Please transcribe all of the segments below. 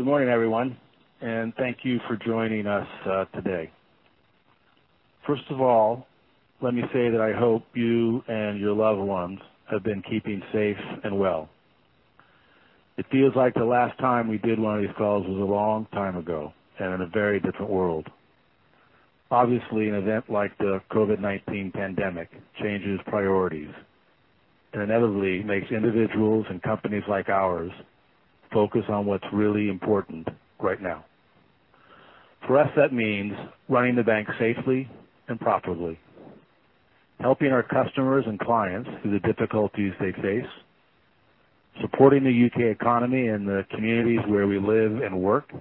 Good morning everyone, and thank you for joining us today. First of all, let me say that I hope you and your loved ones have been keeping safe and well. It feels like the last time we did one of these calls was a long time ago and in a very different world. Obviously, an event like the COVID-19 pandemic changes priorities and inevitably makes individuals and companies like ours focus on what's really important right now. For us, that means running the bank safely and properly, helping our customers and clients through the difficulties they face, supporting the U.K. economy and the communities where we live and work,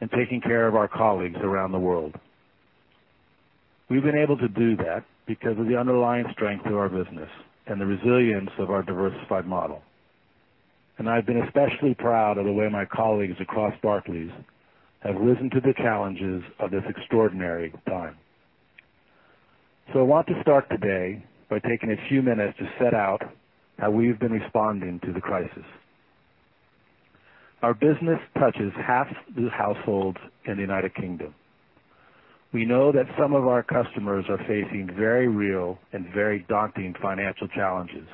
and taking care of our colleagues around the world. We've been able to do that because of the underlying strength of our business and the resilience of our diversified model. I've been especially proud of the way my colleagues across Barclays have risen to the challenges of this extraordinary time. I want to start today by taking a few minutes to set out how we've been responding to the crisis. Our business touches half the households in the U.K. We know that some of our customers are facing very real and very daunting financial challenges,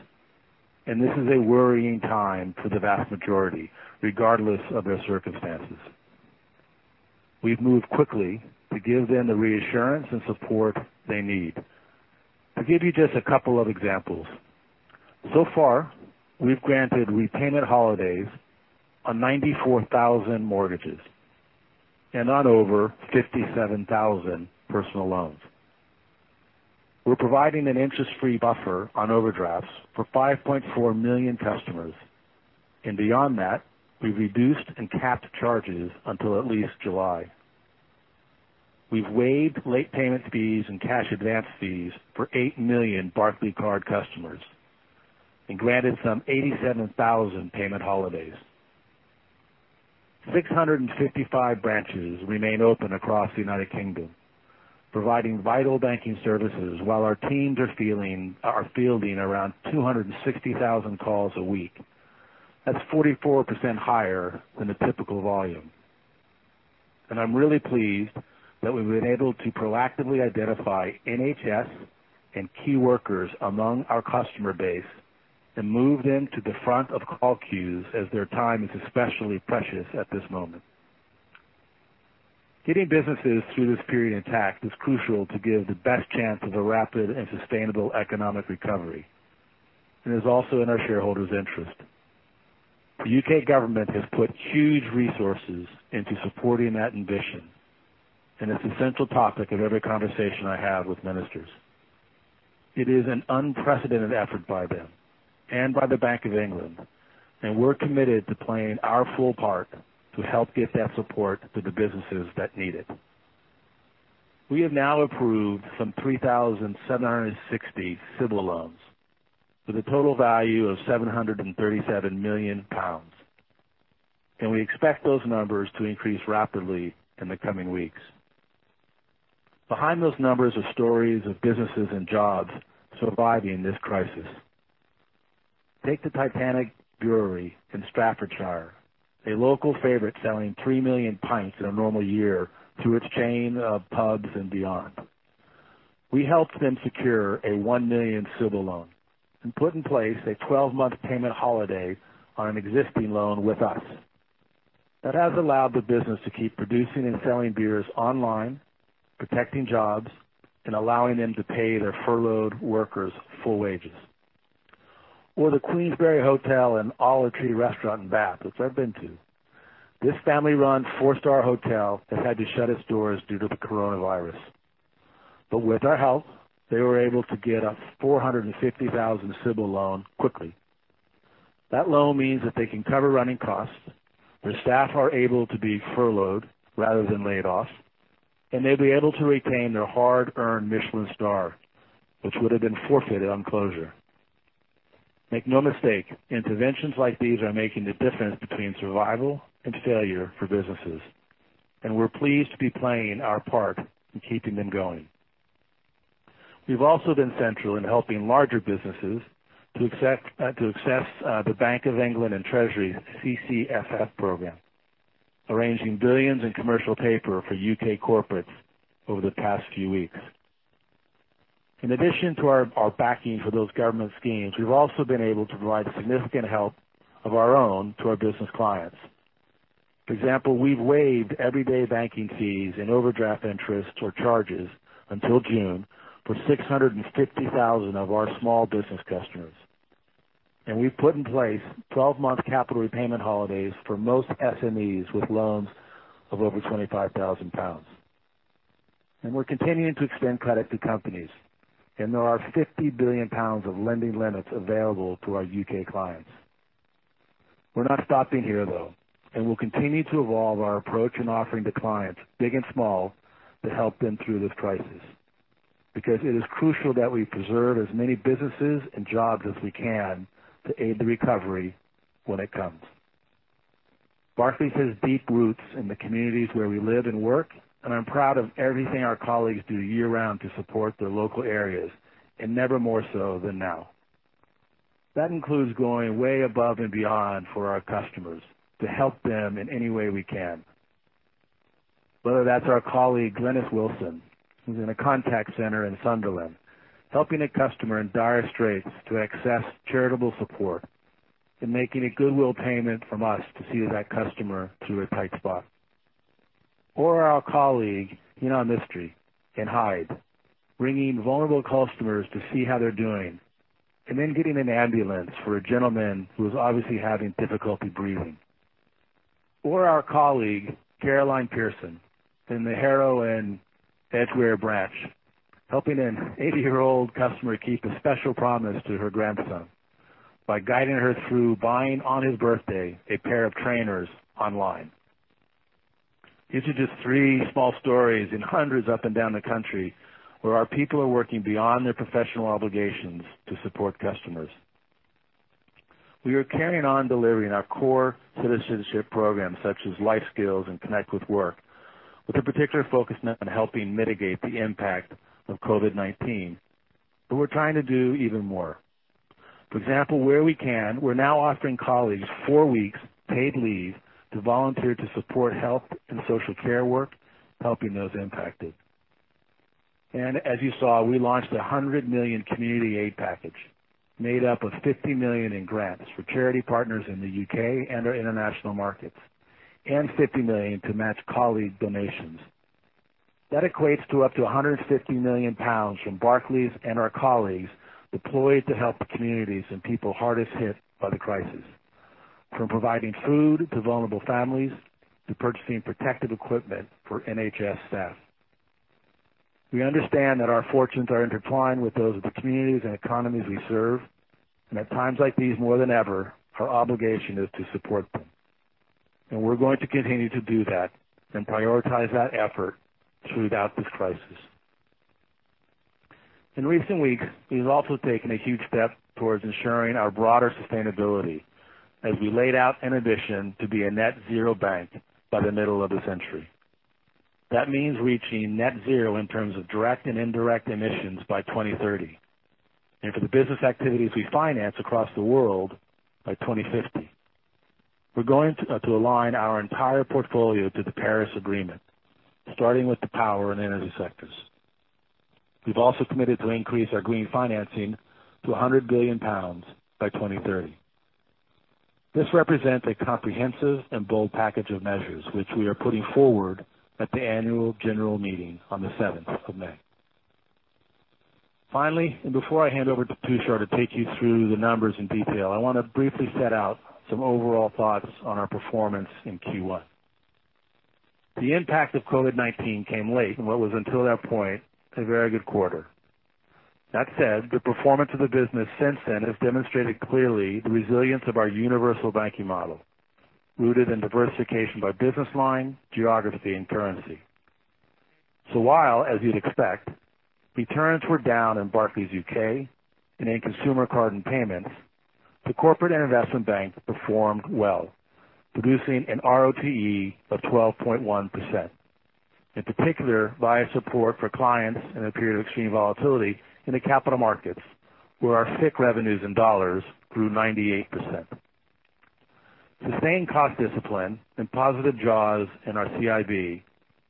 and this is a worrying time for the vast majority, regardless of their circumstances. We've moved quickly to give them the reassurance and support they need. To give you just a couple of examples, so far, we've granted repayment holidays on 94,000 mortgages and on over 57,000 personal loans. We're providing an interest-free buffer on overdrafts for 5.4 million customers. Beyond that, we've reduced and capped charges until at least July. We've waived late payment fees and cash advance fees for eight million Barclaycard customers and granted some 87,000 payment holidays. 655 branches remain open across the United Kingdom, providing vital banking services while our teams are fielding around 260,000 calls a week. That's 44% higher than the typical volume. I'm really pleased that we've been able to proactively identify NHS and key workers among our customer base and move them to the front of call queues as their time is especially precious at this moment. Getting businesses through this period intact is crucial to give the best chance of a rapid and sustainable economic recovery, and is also in our shareholders' interest. The U.K. government has put huge resources into supporting that ambition, It's a central topic of every conversation I have with ministers. It is an unprecedented effort by them and by the Bank of England, and we're committed to playing our full part to help get that support to the businesses that need it. We have now approved some 3,760 CBIL loans with a total value of 737 million pounds. We expect those numbers to increase rapidly in the coming weeks. Behind those numbers are stories of businesses and jobs surviving this crisis. Take the Titanic Brewery in Staffordshire, a local favorite selling three million pints in a normal year through its chain of pubs and beyond. We helped them secure a one million CBIL loan and put in place a 12-month payment holiday on an existing loan with us. That has allowed the business to keep producing and selling beers online, protecting jobs, and allowing them to pay their furloughed workers full wages. Queensberry Hotel and Olive Tree Restaurant in Bath, which I've been to. This family-run four-star hotel has had to shut its doors due to the coronavirus. With our help, they were able to get a 450,000 CBIL loan quickly. That loan means that they can cover running costs, their staff are able to be furloughed rather than laid off, and they'll be able to retain their hard-earned Michelin star, which would have been forfeited on closure. Make no mistake, interventions like these are making the difference between survival and failure for businesses, and we're pleased to be playing our part in keeping them going. We've also been central in helping larger businesses to access the Bank of England and Treasury's CCFF program, arranging billions in commercial paper for U.K. corporates over the past few weeks. In addition to our backing for those government schemes, we've also been able to provide significant help of our own to our business clients. For example, we've waived everyday banking fees and overdraft interest or charges until June for 650,000 of our small business customers. We've put in place 12-month capital repayment holidays for most SMEs with loans of over 25,000 pounds. We're continuing to extend credit to companies, and there are 50 billion pounds of lending limits available to our U.K. clients. We're not stopping here, though, and we'll continue to evolve our approach in offering to clients, big and small, to help them through this crisis. It is crucial that we preserve as many businesses and jobs as we can to aid the recovery when it comes. Barclays has deep roots in the communities where we live and work, and I'm proud of everything our colleagues do year-round to support their local areas, and never more so than now. That includes going way above and beyond for our customers to help them in any way we can. Whether that's our colleague, Glenys Wilson, who's in a contact center in Sunderland, helping a customer in dire straits to access charitable support and making a goodwill payment from us to see that customer through a tight spot. Or our colleague, Heena Mistry, in Hyde, ringing vulnerable customers to see how they're doing, and then getting an ambulance for a gentleman who was obviously having difficulty breathing. Our colleague, Caroline Pearson, in the Harrow and Edgware branch, helping an 80-year-old customer keep a special promise to her grandson by guiding her through buying, on his birthday, a pair of trainers online. These are just three small stories in hundreds up and down the country where our people are working beyond their professional obligations to support customers. We are carrying on delivering our core citizenship programs such as LifeSkills and Connect with Work, with a particular focus now on helping mitigate the impact of COVID-19, but we're trying to do even more. For example, where we can, we're now offering colleagues four weeks paid leave to volunteer to support health and social care work, helping those impacted. As you saw, we launched the 100 million community aid package, made up of 50 million in grants for charity partners in the U.K. and our international markets, and 50 million to match colleague donations. That equates to up to 150 million pounds from Barclays and our colleagues deployed to help the communities and people hardest hit by the crisis, from providing food to vulnerable families to purchasing protective equipment for NHS staff. We understand that our fortunes are intertwined with those of the communities and economies we serve, and at times like these, more than ever, our obligation is to support them. We're going to continue to do that and prioritize that effort throughout this crisis. In recent weeks, we've also taken a huge step towards ensuring our broader sustainability as we laid out an addition to be a net zero bank by the middle of the century. That means reaching net zero in terms of direct and indirect emissions by 2030. For the business activities we finance across the world, by 2050. We're going to align our entire portfolio to the Paris Agreement, starting with the power and energy sectors. We've also committed to increase our green financing to 100 billion pounds by 2030. This represents a comprehensive and bold package of measures, which we are putting forward at the annual general meeting on the seventh of May. Finally, before I hand over to Tushar to take you through the numbers in detail, I want to briefly set out some overall thoughts on our performance in Q1. The impact of COVID-19 came late in what was, until that point, a very good quarter. That said, the performance of the business since then has demonstrated clearly the resilience of our universal banking model, rooted in diversification by business line, geography, and currency. While, as you'd expect, returns were down in Barclays UK and in Consumer, Cards & Payments, the Corporate & Investment Bank performed well, producing an RoTE of 12.1%, in particular, via support for clients in a period of extreme volatility in the capital markets, where our FICC revenues in dollars grew 98%. Sustained cost discipline and positive jaws in our CIB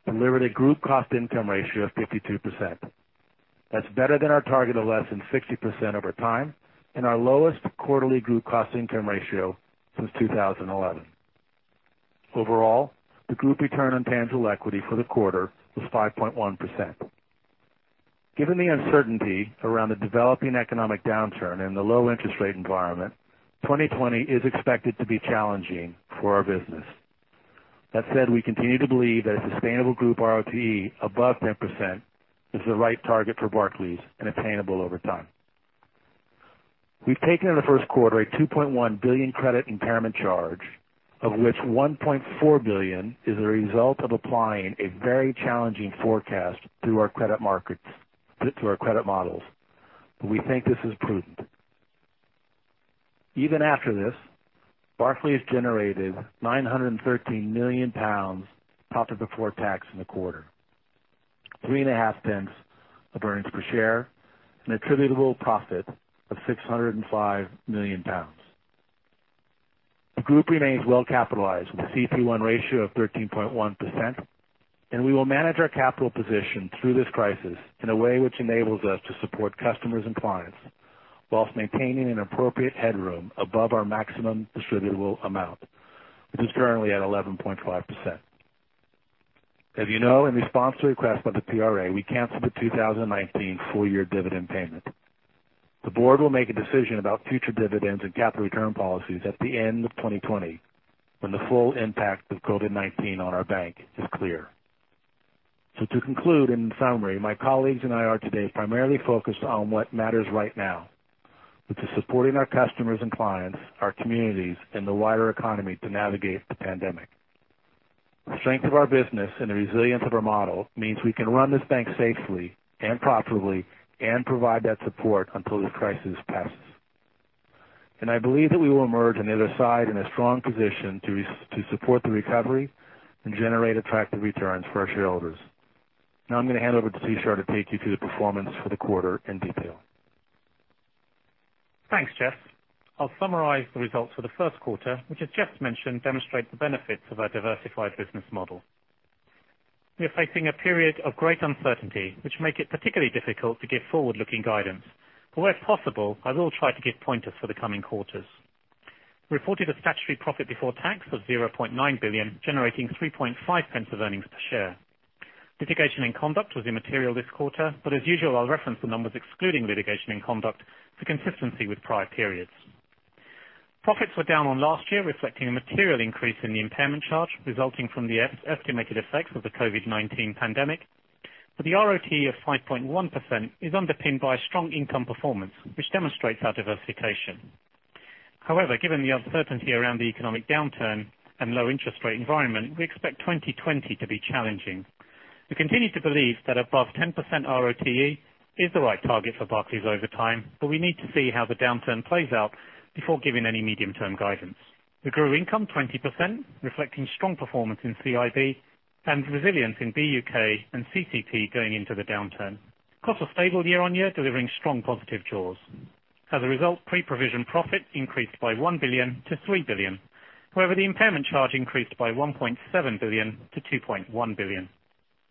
delivered a group cost income ratio of 52%. That's better than our target of less than 60% over time and our lowest quarterly group cost income ratio since 2011. Overall, the group Return on Tangible Equity for the quarter was 5.1%. Given the uncertainty around the developing economic downturn and the low interest rate environment, 2020 is expected to be challenging for our business. That said, we continue to believe that a sustainable group RoTE above 10% is the right target for Barclays and attainable over time. We've taken in the first quarter a 2.1 billion credit impairment charge, of which 1.4 billion is a result of applying a very challenging forecast through our credit models. We think this is prudent. Even after this, Barclays generated 913 million pounds profit before tax in the quarter, 0.035 of earnings per share, and attributable profit of 605 million pounds. The group remains well-capitalized with a CET1 ratio of 13.1%. We will manage our capital position through this crisis in a way which enables us to support customers and clients while maintaining an appropriate headroom above our maximum distributable amount, which is currently at 11.5%. As you know, in response to requests by the PRA, we canceled the 2019 full-year dividend payment. The board will make a decision about future dividends and capital return policies at the end of 2020 when the full impact of COVID-19 on our bank is clear. To conclude, in summary, my colleagues and I are today primarily focused on what matters right now, which is supporting our customers and clients, our communities, and the wider economy to navigate the pandemic. The strength of our business and the resilience of our model means we can run this bank safely and profitably and provide that support until this crisis passes. I believe that we will emerge on the other side in a strong position to support the recovery and generate attractive returns for our shareholders. I'm going to hand over to Tushar to take you through the performance for the quarter in detail. Thanks, Jes. I'll summarize the results for the first quarter, which as Jes's mentioned, demonstrate the benefits of our diversified business model. We are facing a period of great uncertainty, which make it particularly difficult to give forward-looking guidance. Where possible, I will try to give pointers for the coming quarters. Reported a statutory profit before tax of 0.9 billion, generating 0.035 of earnings per share. Litigation and conduct was immaterial this quarter, as usual, I'll reference the numbers excluding litigation and conduct for consistency with prior periods. Profits were down on last year, reflecting a material increase in the impairment charge resulting from the estimated effects of the COVID-19 pandemic. The RoTE of 5.1% is underpinned by strong income performance, which demonstrates our diversification. However, given the uncertainty around the economic downturn and low interest rate environment, we expect 2020 to be challenging. We continue to believe that above 10% RoTE is the right target for Barclays over time, we need to see how the downturn plays out before giving any medium-term guidance. We grew income 20%, reflecting strong performance in CIB and resilience in BUK and CC&P going into the downturn. Costs are stable year-on-year, delivering strong positive jaws. As a result, pre-provision profit increased by 1 billion to 3 billion. However, the impairment charge increased by 1.7 billion to 2.1 billion.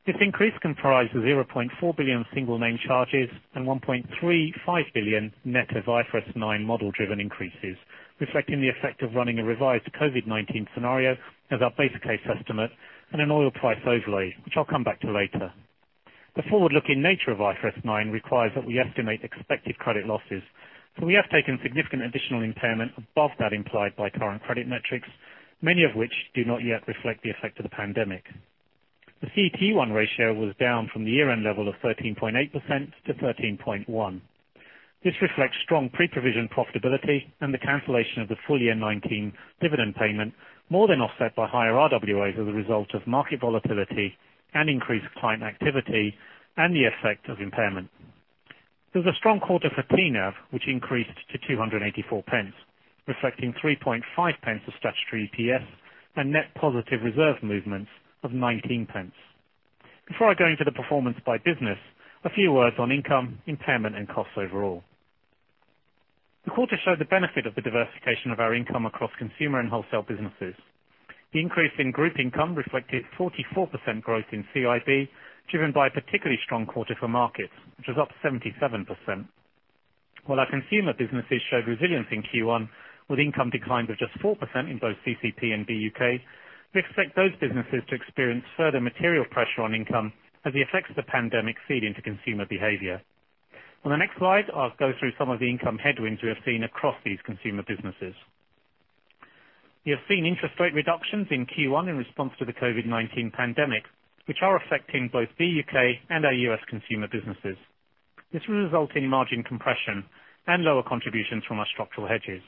This increase comprised 0.4 billion single name charges and 1.35 billion net of IFRS 9 model driven increases, reflecting the effect of running a revised COVID-19 scenario as our base case estimate and an oil price overlay, which I'll come back to later. The forward-looking nature of IFRS 9 requires that we estimate expected credit losses. We have taken significant additional impairment above that implied by current credit metrics, many of which do not yet reflect the effect of the pandemic. The CET1 ratio was down from the year-end level of 13.8% to 13.1%. This reflects strong pre-provision profitability and the cancellation of the full year 2019 dividend payment, more than offset by higher RWAs as a result of market volatility and increased client activity and the effect of impairment. It was a strong quarter for TNAV, which increased to 2.84, reflecting 0.035 of statutory EPS and net positive reserve movements of 0.19. Before I go into the performance by business, a few words on income, impairment, and costs overall. The quarter showed the benefit of the diversification of our income across consumer and wholesale businesses. The increase in group income reflected 44% growth in CIB, driven by a particularly strong quarter for markets, which was up 77%. While our consumer businesses showed resilience in Q1, with income declines of just 4% in both CCP and BUK, we expect those businesses to experience further material pressure on income as the effects of the pandemic feed into consumer behavior. On the next slide, I'll go through some of the income headwinds we have seen across these consumer businesses. We have seen interest rate reductions in Q1 in response to the COVID-19 pandemic, which are affecting both BUK and our U.S. consumer businesses. This will result in margin compression and lower contributions from our structural hedges.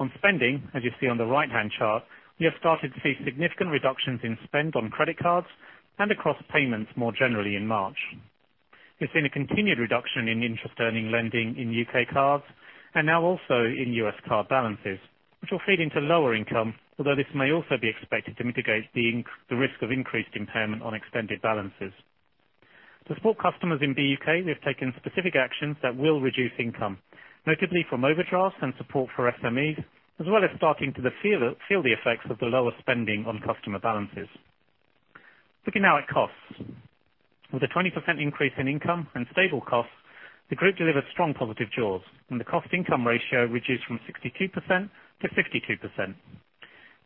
On spending, as you see on the right-hand chart, we have started to see significant reductions in spend on credit cards and across payments more generally in March. We've seen a continued reduction in interest earning lending in U.K. cards, and now also in U.S. card balances, which will feed into lower income, although this may also be expected to mitigate the risk of increased impairment on extended balances. To support customers in BUK, we have taken specific actions that will reduce income, notably from overdrafts and support for SMEs, as well as starting to feel the effects of the lower spending on customer balances. Looking now at costs. With a 20% increase in income and stable costs, the group delivered strong positive jaws and the cost income ratio reduced from 62% to 52%.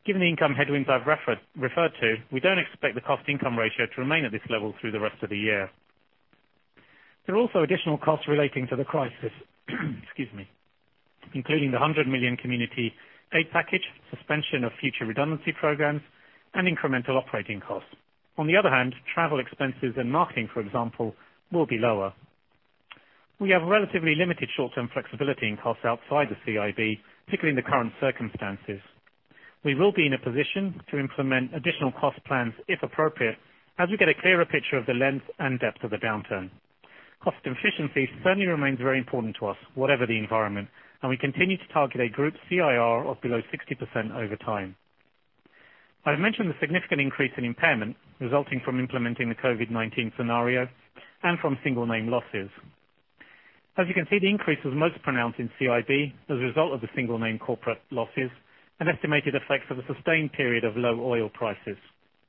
Given the income headwinds I've referred to, we don't expect the cost income ratio to remain at this level through the rest of the year. There are also additional costs relating to the crisis. Excuse me, including the 100 million community aid package, suspension of future redundancy programs, and incremental operating costs. On the other hand, travel expenses and marketing, for example, will be lower. We have relatively limited short-term flexibility in costs outside of CIB, particularly in the current circumstances. We will be in a position to implement additional cost plans if appropriate, as we get a clearer picture of the length and depth of the downturn. Cost efficiency certainly remains very important to us, whatever the environment, and we continue to target a group CIR of below 60% over time. I've mentioned the significant increase in impairment resulting from implementing the COVID-19 scenario and from single name losses. As you can see, the increase was most pronounced in CIB as a result of the single name corporate losses and estimated effects of a sustained period of low oil prices,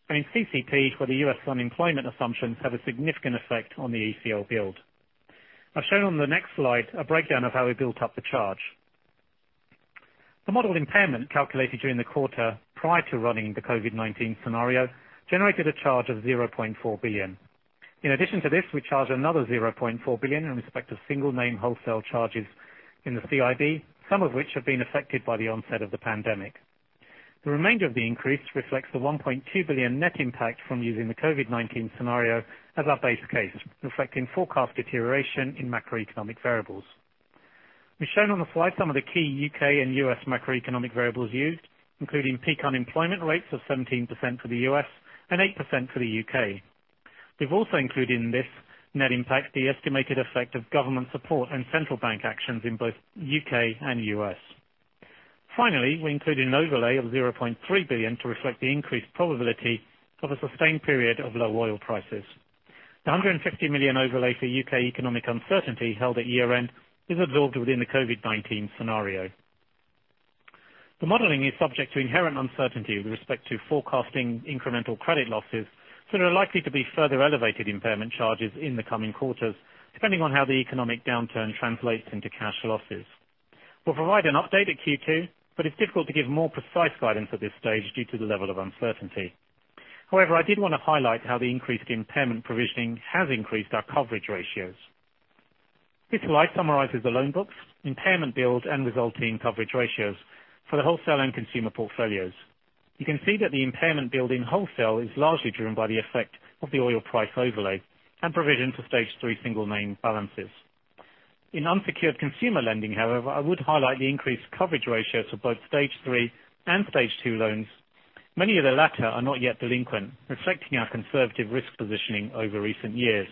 and in CC&P, where the U.S. unemployment assumptions have a significant effect on the ECL build. I've shown on the next slide a breakdown of how we built up the charge. The modeled impairment calculated during the quarter prior to running the COVID-19 scenario generated a charge of 0.4 billion. In addition to this, we charged another 0.4 billion in respect of single name wholesale charges in the CIB, some of which have been affected by the onset of the pandemic. The remainder of the increase reflects the 1.2 billion net impact from using the COVID-19 scenario as our base case, reflecting forecast deterioration in macroeconomic variables. We've shown on the slide some of the key U.K. and U.S. macroeconomic variables used, including peak unemployment rates of 17% for the U.S. and 8% for the U.K. We've also included in this net impact the estimated effect of government support and central bank actions in both U.K. and U.S. We included an overlay of 0.3 billion to reflect the increased probability of a sustained period of low oil prices. The 150 million overlay for U.K. economic uncertainty held at year-end is absorbed within the COVID-19 scenario. The modeling is subject to inherent uncertainty with respect to forecasting incremental credit losses. There are likely to be further elevated impairment charges in the coming quarters, depending on how the economic downturn translates into cash losses. We'll provide an update at Q2. It's difficult to give more precise guidance at this stage due to the level of uncertainty. However, I did want to highlight how the increased impairment provisioning has increased our coverage ratios. This slide summarizes the loan books, impairment build, and resulting coverage ratios for the wholesale and consumer portfolios. You can see that the impairment build in wholesale is largely driven by the effect of the oil price overlay and provision for Stage 3 single name balances. In unsecured consumer lending, however, I would highlight the increased coverage ratios for both Stage 3 and Stage 2 loans. Many of the latter are not yet delinquent, reflecting our conservative risk positioning over recent years.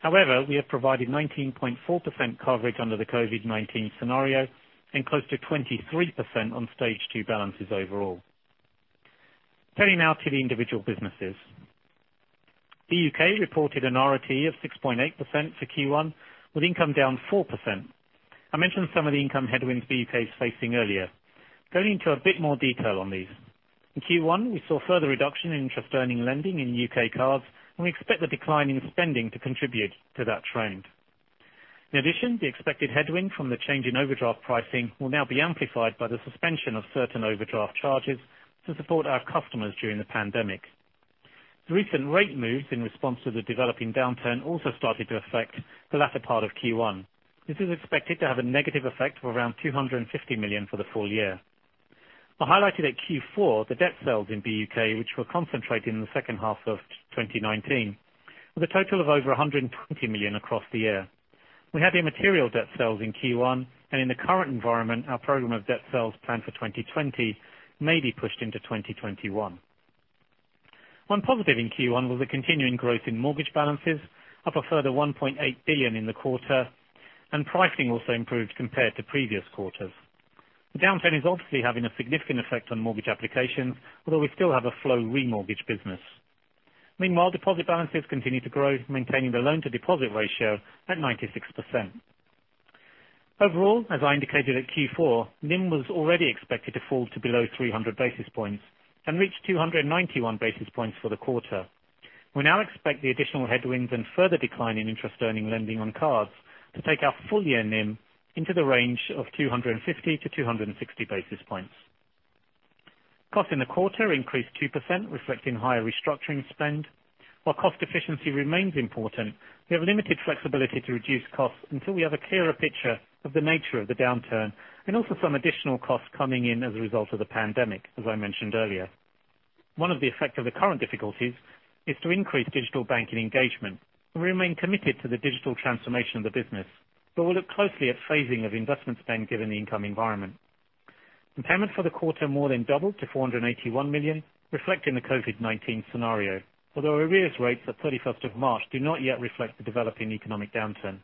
However, we have provided 19.4% coverage under the COVID-19 scenario and close to 23% on Stage 2 balances overall. Turning now to the individual businesses. BUK reported an RoTE of 6.8% for Q1, with income down 4%. I mentioned some of the income headwinds BUK is facing earlier. Going into a bit more detail on these. In Q1, we saw further reduction in interest earning lending in U.K. cards. We expect the decline in spending to contribute to that trend. In addition, the expected headwind from the change in overdraft pricing will now be amplified by the suspension of certain overdraft charges to support our customers during the pandemic. The recent rate moves in response to the developing downturn also started to affect the latter part of Q1. This is expected to have a negative effect of around 250 million for the full year. I highlighted at Q4 the debt sales in BUK, which were concentrated in the second half of 2019, with a total of over 120 million across the year. We had immaterial debt sales in Q1. In the current environment, our program of debt sales planned for 2020 may be pushed into 2021. One positive in Q1 was the continuing growth in mortgage balances, up a further 1.8 billion in the quarter, and pricing also improved compared to previous quarters. The downturn is obviously having a significant effect on mortgage applications, although we still have a flow remortgage business. Meanwhile, deposit balances continue to grow, maintaining the loan-to-deposit ratio at 96%. Overall, as I indicated at Q4, NIM was already expected to fall to below 300 basis points and reach 291 basis points for the quarter. We now expect the additional headwinds and further decline in interest earning lending on cards to take our full year NIM into the range of 250 to 260 basis points. Costs in the quarter increased 2%, reflecting higher restructuring spend. While cost efficiency remains important, we have limited flexibility to reduce costs until we have a clearer picture of the nature of the downturn and also some additional costs coming in as a result of the pandemic, as I mentioned earlier. One of the effects of the current difficulties is to increase digital banking engagement. We remain committed to the digital transformation of the business, but we'll look closely at phasing of investment spend given the income environment. Impairment for the quarter more than doubled to 481 million, reflecting the COVID-19 scenario. Although arrears rates at 31st of March do not yet reflect the developing economic downturn.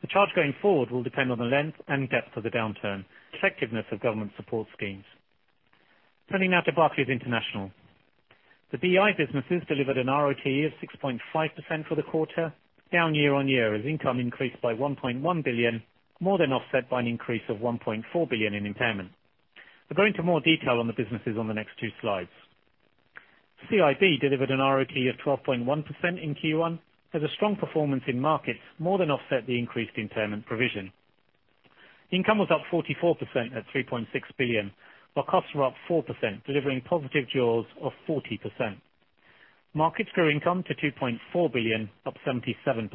The charge going forward will depend on the length and depth of the downturn, effectiveness of government support schemes. Turning now to Barclays International. The BI businesses delivered an ROE of 6.5% for the quarter, down year-on-year as income increased by 1.1 billion, more than offset by an increase of 1.4 billion in impairment. We'll go into more detail on the businesses on the next two slides. CIB delivered an ROE of 12.1% in Q1, with a strong performance in markets more than offset the increased impairment provision. Income was up 44% at 3.6 billion, while costs were up 4%, delivering positive jaws of 40%. Markets grew income to 2.4 billion, up 77%.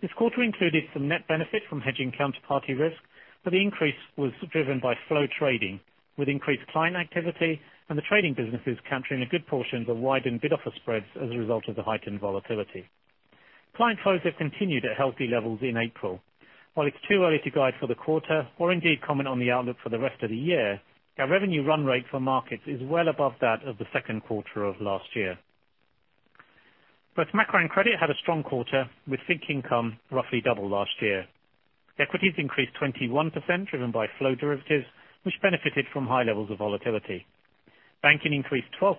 This quarter included some net benefit from hedging counterparty risk. The increase was driven by flow trading, with increased client activity and the trading businesses capturing a good portion of the widened bid-offer spreads as a result of the heightened volatility. Client flows have continued at healthy levels in April. While it's too early to guide for the quarter or indeed comment on the outlook for the rest of the year, our revenue run rate for markets is well above that of the second quarter of last year. Both macro and credit had a strong quarter, with FICC income roughly double last year. Equities increased 21%, driven by flow derivatives, which benefited from high levels of volatility. Banking increased 12%,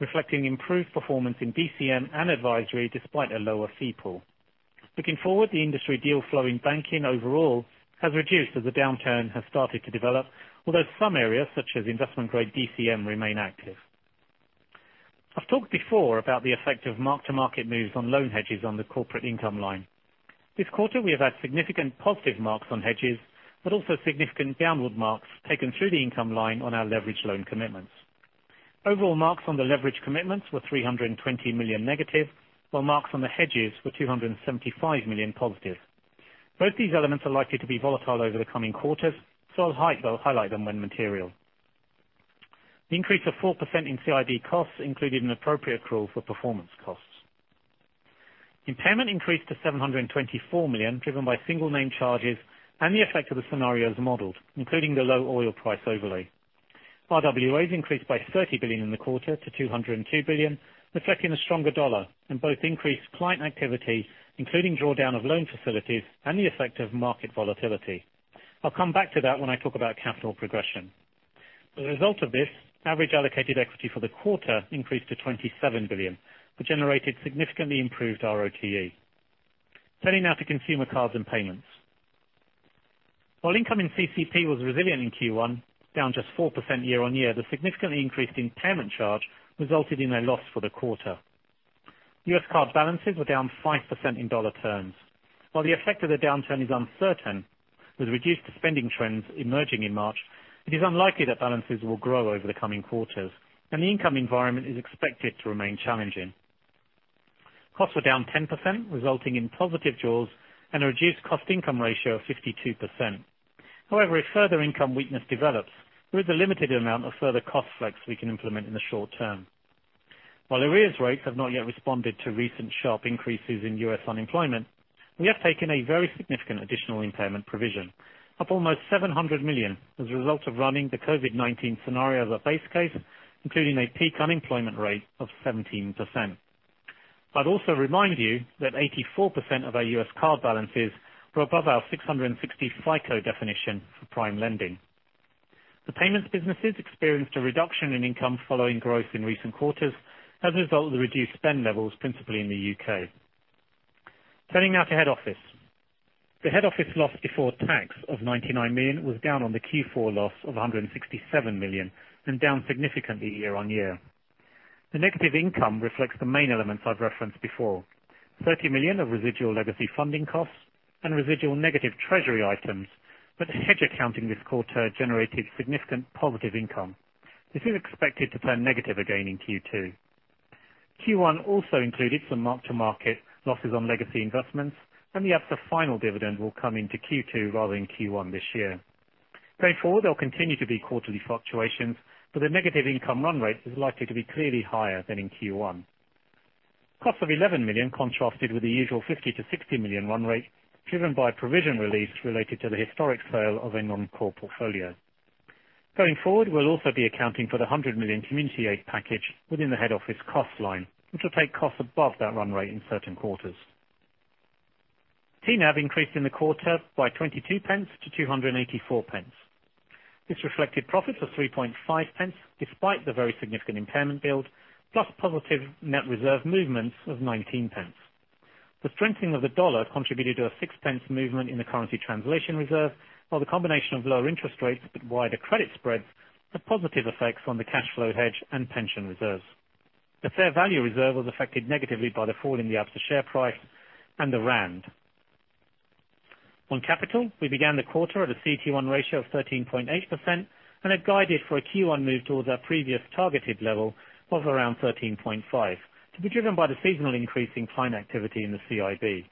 reflecting improved performance in DCM and advisory, despite a lower fee pool. Looking forward, the industry deal flow in banking overall has reduced as the downturn has started to develop. Although some areas, such as investment grade DCM, remain active. I've talked before about the effect of mark-to-market moves on loan hedges on the corporate income line. This quarter, we have had significant positive marks on hedges, but also significant downward marks taken through the income line on our leveraged loan commitments. Overall marks on the leverage commitments were 320 million negative, while marks on the hedges were 275 million positive. Both these elements are likely to be volatile over the coming quarters, so I'll highlight them when material. The increase of 4% in CIB costs included an appropriate accrual for performance costs. Impairment increased to 724 million, driven by single name charges and the effect of the scenarios modeled, including the low oil price overlay. RWAs increased by 30 billion in the quarter to 202 billion, reflecting the stronger dollar and both increased client activity, including drawdown of loan facilities, and the effect of market volatility. I'll come back to that when I talk about capital progression. As a result of this, average allocated equity for the quarter increased to 27 billion, which generated significantly improved RoTE. Turning now to Consumer, Cards and Payments. While income in CC&P was resilient in Q1, down just 4% year-on-year, the significantly increased impairment charge resulted in a loss for the quarter. U.S. card balances were down 5% in dollar terms. While the effect of the downturn is uncertain, with reduced spending trends emerging in March, it is unlikely that balances will grow over the coming quarters, and the income environment is expected to remain challenging. Costs are down 10%, resulting in positive jaws and a reduced cost income ratio of 52%. However, if further income weakness develops, there is a limited amount of further cost flex we can implement in the short term. While arrears rates have not yet responded to recent sharp increases in U.S. unemployment, we have taken a very significant additional impairment provision, up almost 700 million, as a result of running the COVID-19 scenario as a base case, including a peak unemployment rate of 17%. I'd also remind you that 84% of our U.S. card balances were above our 660 FICO definition for prime lending. The payments businesses experienced a reduction in income following growth in recent quarters as a result of the reduced spend levels, principally in the U.K. Turning now to head office. The head office loss before tax of 99 million was down on the Q4 loss of 167 million, and down significantly year-over-year. The negative income reflects the main elements I've referenced before. 30 million of residual legacy funding costs and residual negative treasury items. Hedge accounting this quarter generated significant positive income. This is expected to turn negative again in Q2. Q1 also included some mark-to-market losses on legacy investments. The Absa final dividend will come into Q2 rather than Q1 this year. Going forward, there'll continue to be quarterly fluctuations. The negative income run rate is likely to be clearly higher than in Q1. Cost of 11 million contrasted with the usual 50 million-60 million run rate, driven by provision release related to the historic sale of a non-core portfolio. Going forward, we'll also be accounting for the 100 million community aid package within the head office cost line, which will take costs above that run rate in certain quarters. TNAV increased in the quarter by 0.22 to 2.84. This reflected profits of 0.035, despite the very significant impairment build, plus positive net reserve movements of 0.19. The strengthening of the U.S. dollar contributed to a 0.06 movement in the currency translation reserve, while the combination of lower interest rates but wider credit spreads had positive effects on the cash flow hedge and pension reserves. The fair value reserve was affected negatively by the fall in the Absa share price and the ZAR. On capital, we began the quarter at a CET1 ratio of 13.8% and had guided for a Q1 move towards our previous targeted level of around 13.5%, to be driven by the seasonal increase in client activity in the CIB.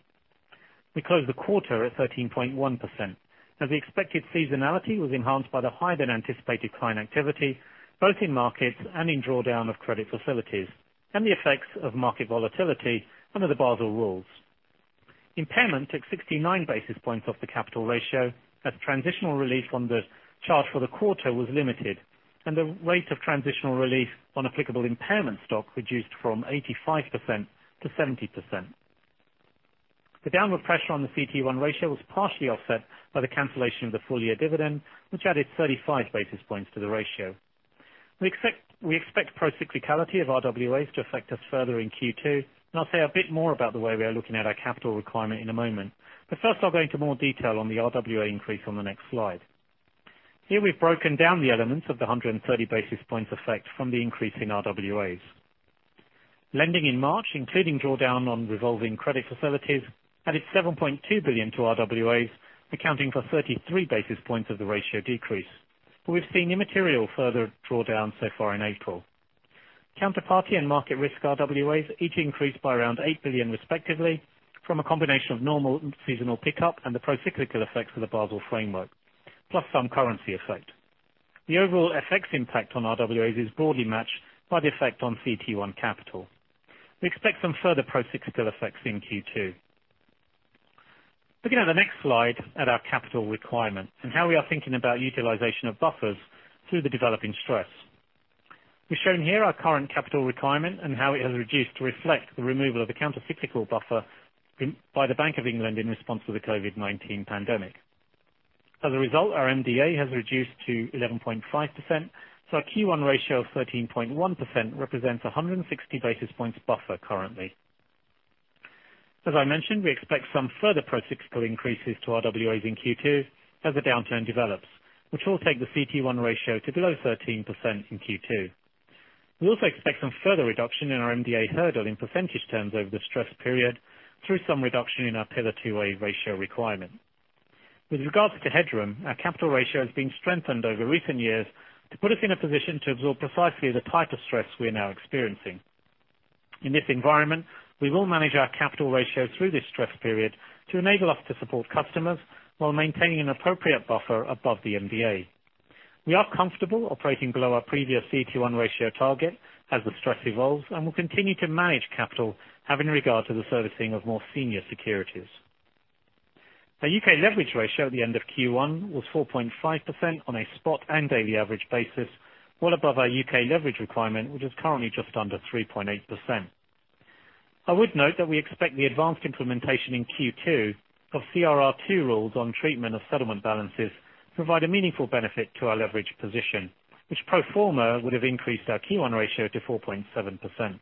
We closed the quarter at 13.1%, as the expected seasonality was enhanced by the higher than anticipated client activity, both in markets and in drawdown of credit facilities, and the effects of market volatility under the Basel rules. Impairment took 69 basis points off the capital ratio as transitional relief on the charge for the quarter was limited and the rate of transitional relief on applicable impairment stock reduced from 85% to 70%. The downward pressure on the CET1 ratio was partially offset by the cancellation of the full year dividend, which added 35 basis points to the ratio. We expect procyclicality of RWAs to affect us further in Q2, and I'll say a bit more about the way we are looking at our capital requirement in a moment. First, I'll go into more detail on the RWA increase on the next slide. Here we've broken down the elements of the 130 basis points effect from the increase in RWAs. Lending in March, including drawdown on revolving credit facilities, added 7.2 billion to RWAs, accounting for 33 basis points of the ratio decrease. We've seen a material further drawdown so far in April. Counterparty and market risk RWAs each increased by around 8 billion respectively from a combination of normal seasonal pickup and the procyclical effects of the Basel framework, plus some currency effect. The overall FX impact on RWAs is broadly matched by the effect on CET1 capital. We expect some further procyclical effects in Q2. Looking at the next slide at our capital requirement and how we are thinking about utilization of buffers through the developing stress. We've shown here our current capital requirement and how it has reduced to reflect the removal of the countercyclical buffer by the Bank of England in response to the COVID-19 pandemic. As a result, our MDA has reduced to 11.5%, so our Q1 ratio of 13.1% represents 160 basis points buffer currently. As I mentioned, we expect some further procyclical increases to RWAs in Q2 as the downturn develops, which will take the CET1 ratio to below 13% in Q2. We also expect some further reduction in our MDA hurdle in percentage terms over the stress period through some reduction in our Pillar 2A ratio requirement. With regards to headroom, our capital ratio has been strengthened over recent years to put us in a position to absorb precisely the type of stress we are now experiencing. In this environment, we will manage our capital ratio through this stress period to enable us to support customers while maintaining an appropriate buffer above the MDA. We are comfortable operating below our previous CET1 ratio target as the stress evolves and will continue to manage capital having regard to the servicing of more senior securities. Our U.K. leverage ratio at the end of Q1 was 4.5% on a spot and daily average basis, well above our U.K. leverage requirement, which is currently just under 3.8%. I would note that we expect the advanced implementation in Q2 of CRR2 rules on treatment of settlement balances provide a meaningful benefit to our leverage position, which pro forma would have increased our Q1 ratio to 4.7%.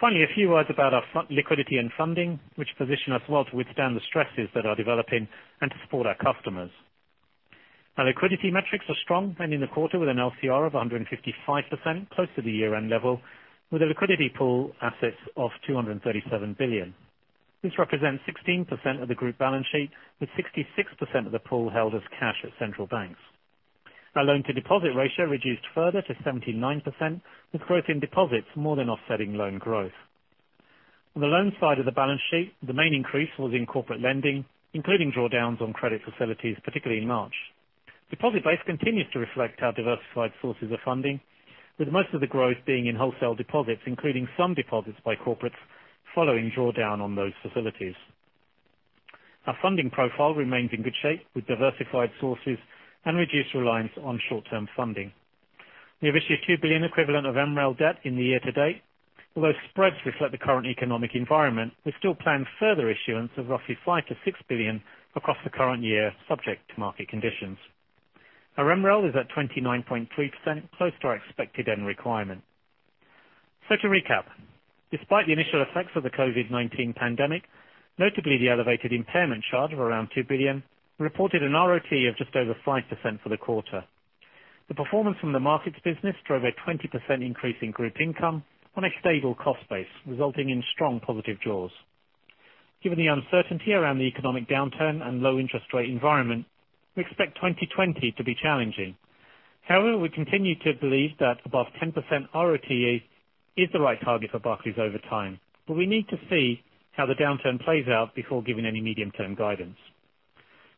Finally, a few words about our liquidity and funding, which position us well to withstand the stresses that are developing and to support our customers. Our liquidity metrics are strong, ending the quarter with an LCR of 155%, close to the year-end level, with a liquidity pool assets of 237 billion. This represents 16% of the group balance sheet, with 66% of the pool held as cash at central banks. Our loan to deposit ratio reduced further to 79%, with growth in deposits more than offsetting loan growth. On the loan side of the balance sheet, the main increase was in corporate lending, including drawdowns on credit facilities, particularly in March. Deposit base continues to reflect our diversified sources of funding, with most of the growth being in wholesale deposits, including some deposits by corporates following drawdown on those facilities. Our funding profile remains in good shape, with diversified sources and reduced reliance on short-term funding. We have issued 2 billion equivalent of MREL debt in the year to date. Although spreads reflect the current economic environment, we still plan further issuance of roughly 5 billion-6 billion across the current year, subject to market conditions. Our MREL is at 29.3%, close to our expected end requirement. To recap, despite the initial effects of the COVID-19 pandemic, notably the elevated impairment charge of around 2 billion, we reported an RoTE of just over 5% for the quarter. The performance from the markets business drove a 20% increase in group income on a stable cost base, resulting in strong positive jaws. Given the uncertainty around the economic downturn and low interest rate environment, we expect 2020 to be challenging. We continue to believe that above 10% RoTE is the right target for Barclays over time. We need to see how the downturn plays out before giving any medium-term guidance.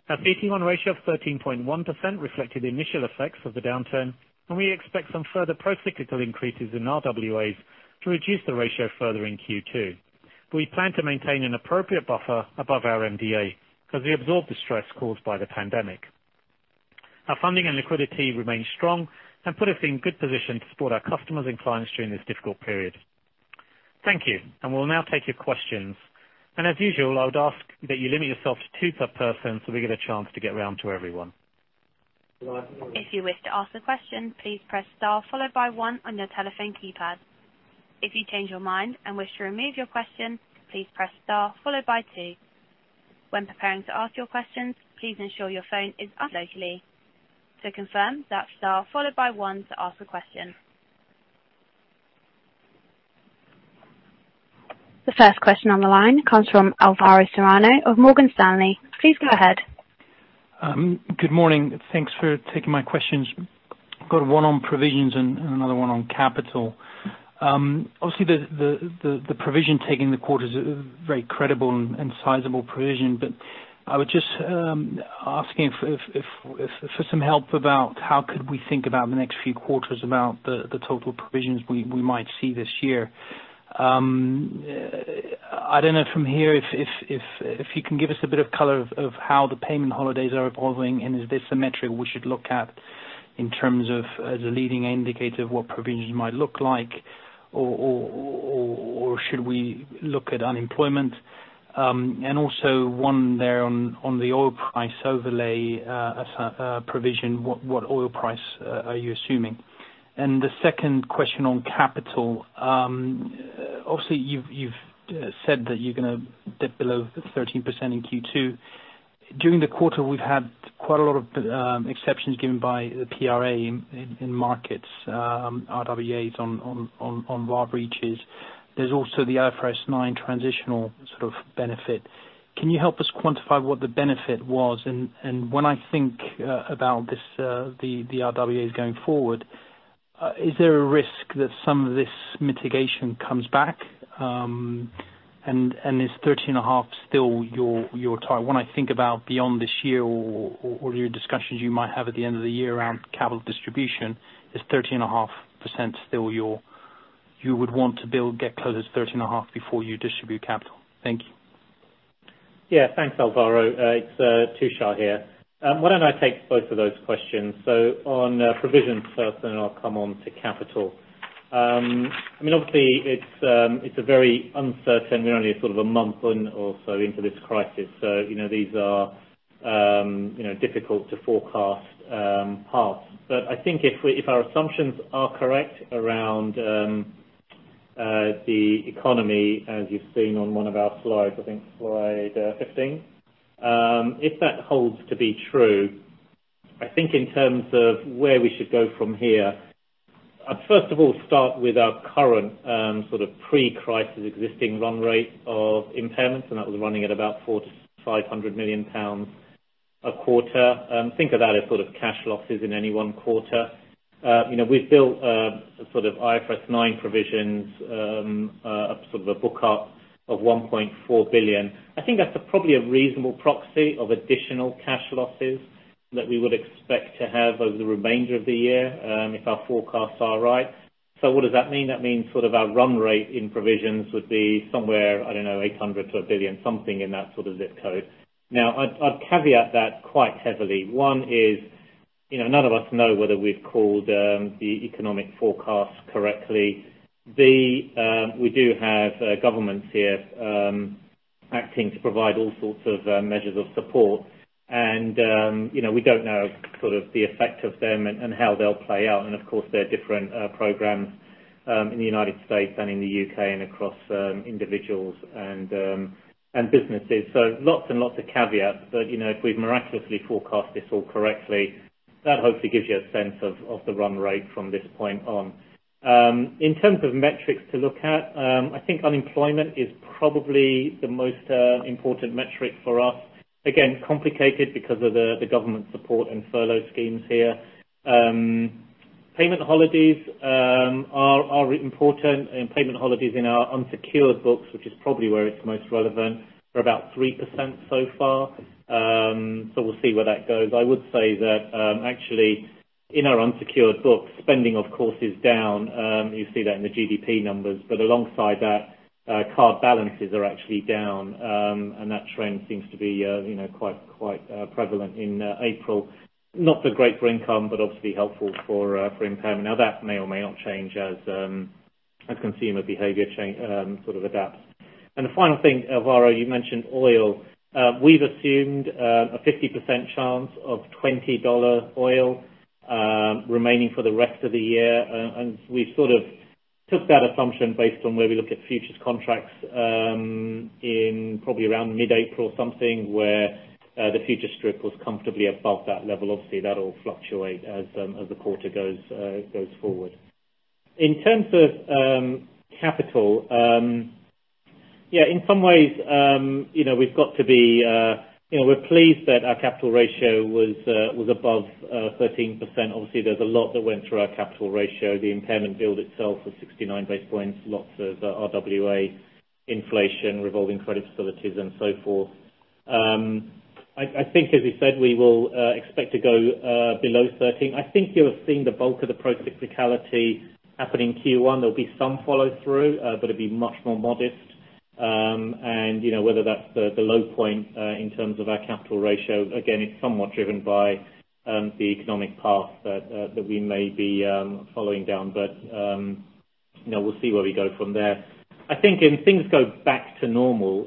Our CET1 ratio of 13.1% reflected the initial effects of the downturn, and we expect some further procyclical increases in RWAs to reduce the ratio further in Q2. We plan to maintain an appropriate buffer above our MDA as we absorb the stress caused by the pandemic. Our funding and liquidity remain strong and put us in good position to support our customers and clients during this difficult period. Thank you. We'll now take your questions. As usual, I would ask that you limit yourself to two per person so we get a chance to get round to everyone. If you wish to ask the question, please press star followed by one on your telephone keypad. If you change your mind and wish to remove your question, please press star followed by two. When preparing to ask your questions, please ensure your phone is on locally. To confirm, that's star followed by one to ask a question. The first question on the line comes from Alvaro Serrano of Morgan Stanley. Please go ahead. Good morning. Thanks for taking my questions. Got one on provisions and another one on capital. Obviously, the provision taking the quarter is very credible and sizable provision, I was just asking for some help about how could we think about the next few quarters about the total provisions we might see this year. I don't know from here, if you can give us a bit of color of how the payment holidays are evolving, is there symmetry we should look at in terms of the leading indicator of what provisions might look like? Or should we look at unemployment? Also one there on the oil price overlay as a provision, what oil price are you assuming? The second question on capital. Obviously, you've said that you're going to dip below 13% in Q2. During the quarter, we've had quite a lot of exceptions given by the PRA in markets, RWAs on VA breaches. There's also the IFRS 9 transitional sort of benefit. Can you help us quantify what the benefit was? When I think about the RWAs going forward, is there a risk that some of this mitigation comes back, and is 13.5 still your target? When I think about beyond this year or your discussions you might have at the end of the year around capital distribution, is 13.5% still you would want to build, get close to 13.5 before you distribute capital? Thank you. Yeah. Thanks, Alvaro. It's Tushar here. Why don't I take both of those questions? On provisions first, then I'll come on to capital. Obviously it's very uncertain. We're only a sort of a month or so into this crisis. These are difficult to forecast paths. I think if our assumptions are correct around the economy, as you've seen on one of our slides, I think slide 15. If that holds to be true, I think in terms of where we should go from here, I'd first of all start with our current sort of pre-crisis existing run rate of impairments, and that was running at about 400 million-500 million pounds a quarter. Think of that as sort of cash losses in any one quarter. We've built a sort of IFRS 9 provisions, a sort of a book up of 1.4 billion. I think that's probably a reasonable proxy of additional cash losses that we would expect to have over the remainder of the year, if our forecasts are right. What does that mean? That means sort of our run rate in provisions would be somewhere, I don't know, 800 to 1 billion, something in that sort of ZIP code. I'd caveat that quite heavily. One is, none of us know whether we've called the economic forecast correctly. B, we do have governments here acting to provide all sorts of measures of support. We don't know sort of the effect of them and how they'll play out. Of course, there are different programs in the United States and in the U.K. and across individuals and businesses. Lots and lots of caveats. If we've miraculously forecast this all correctly, that hopefully gives you a sense of the run rate from this point on. In terms of metrics to look at, I think unemployment is probably the most important metric for us. Again, complicated because of the government support and furlough schemes here. Payment holidays are important, and payment holidays in our unsecured books, which is probably where it's most relevant, are about 3% so far. We'll see where that goes. I would say that, actually, in our unsecured books, spending, of course, is down. You see that in the GDP numbers. Alongside that, card balances are actually down. That trend seems to be quite prevalent in April. Not so great for income, but obviously helpful for impairment. Now, that may or may not change as consumer behavior sort of adapts. The final thing, Vara, you mentioned oil. We've assumed a 50% chance of $20 oil remaining for the rest of the year. We've sort of took that assumption based on where we look at futures contracts in probably around mid-April something, where the futures strip was comfortably above that level. Obviously, that'll fluctuate as the quarter goes forward. In terms of capital, yeah, in some ways we're pleased that our capital ratio was above 13%. Obviously, there's a lot that went through our capital ratio. The impairment build itself was 69 basis points, lots of RWAs, inflation, revolving credit facilities, and so forth. I think as we said, we will expect to go below 13%. I think you're seeing the bulk of the procyclicality happen in Q1. There'll be some follow-through, but it'll be much more modest. Whether that's the low point in terms of our capital ratio, again, it's somewhat driven by the economic path that we may be following down. We'll see where we go from there. I think if things go back to normal,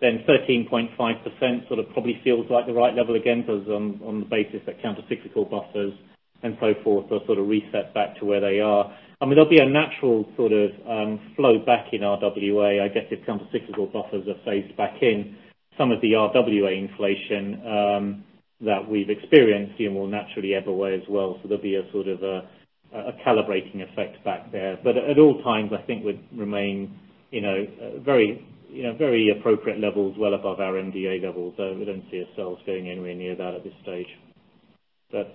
then 13.5% sort of probably feels like the right level again. As on the basis that countercyclical buffers and so forth are sort of reset back to where they are. I mean, there'll be a natural sort of flow back in RWAs, I guess, if countercyclical buffers are phased back in. Some of the RWAs inflation that we've experienced will naturally ebb away as well. There'll be a sort of a calibrating effect back there. At all times, I think we'd remain very appropriate levels well above our MDA levels. We don't see ourselves going anywhere near that at this stage.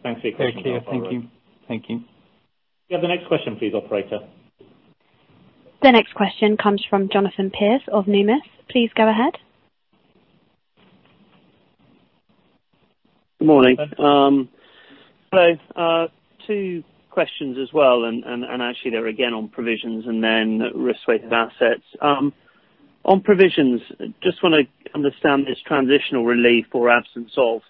Thanks for your question, Alvaro. Thank you. Yeah. The next question please, operator. The next question comes from Jonathan Pierce of Numis. Please go ahead. Good morning. Hi. Hello. Two questions as well, and actually they're again on provisions and then Risk-Weighted Assets. On provisions, just want to understand this transitional relief or absence of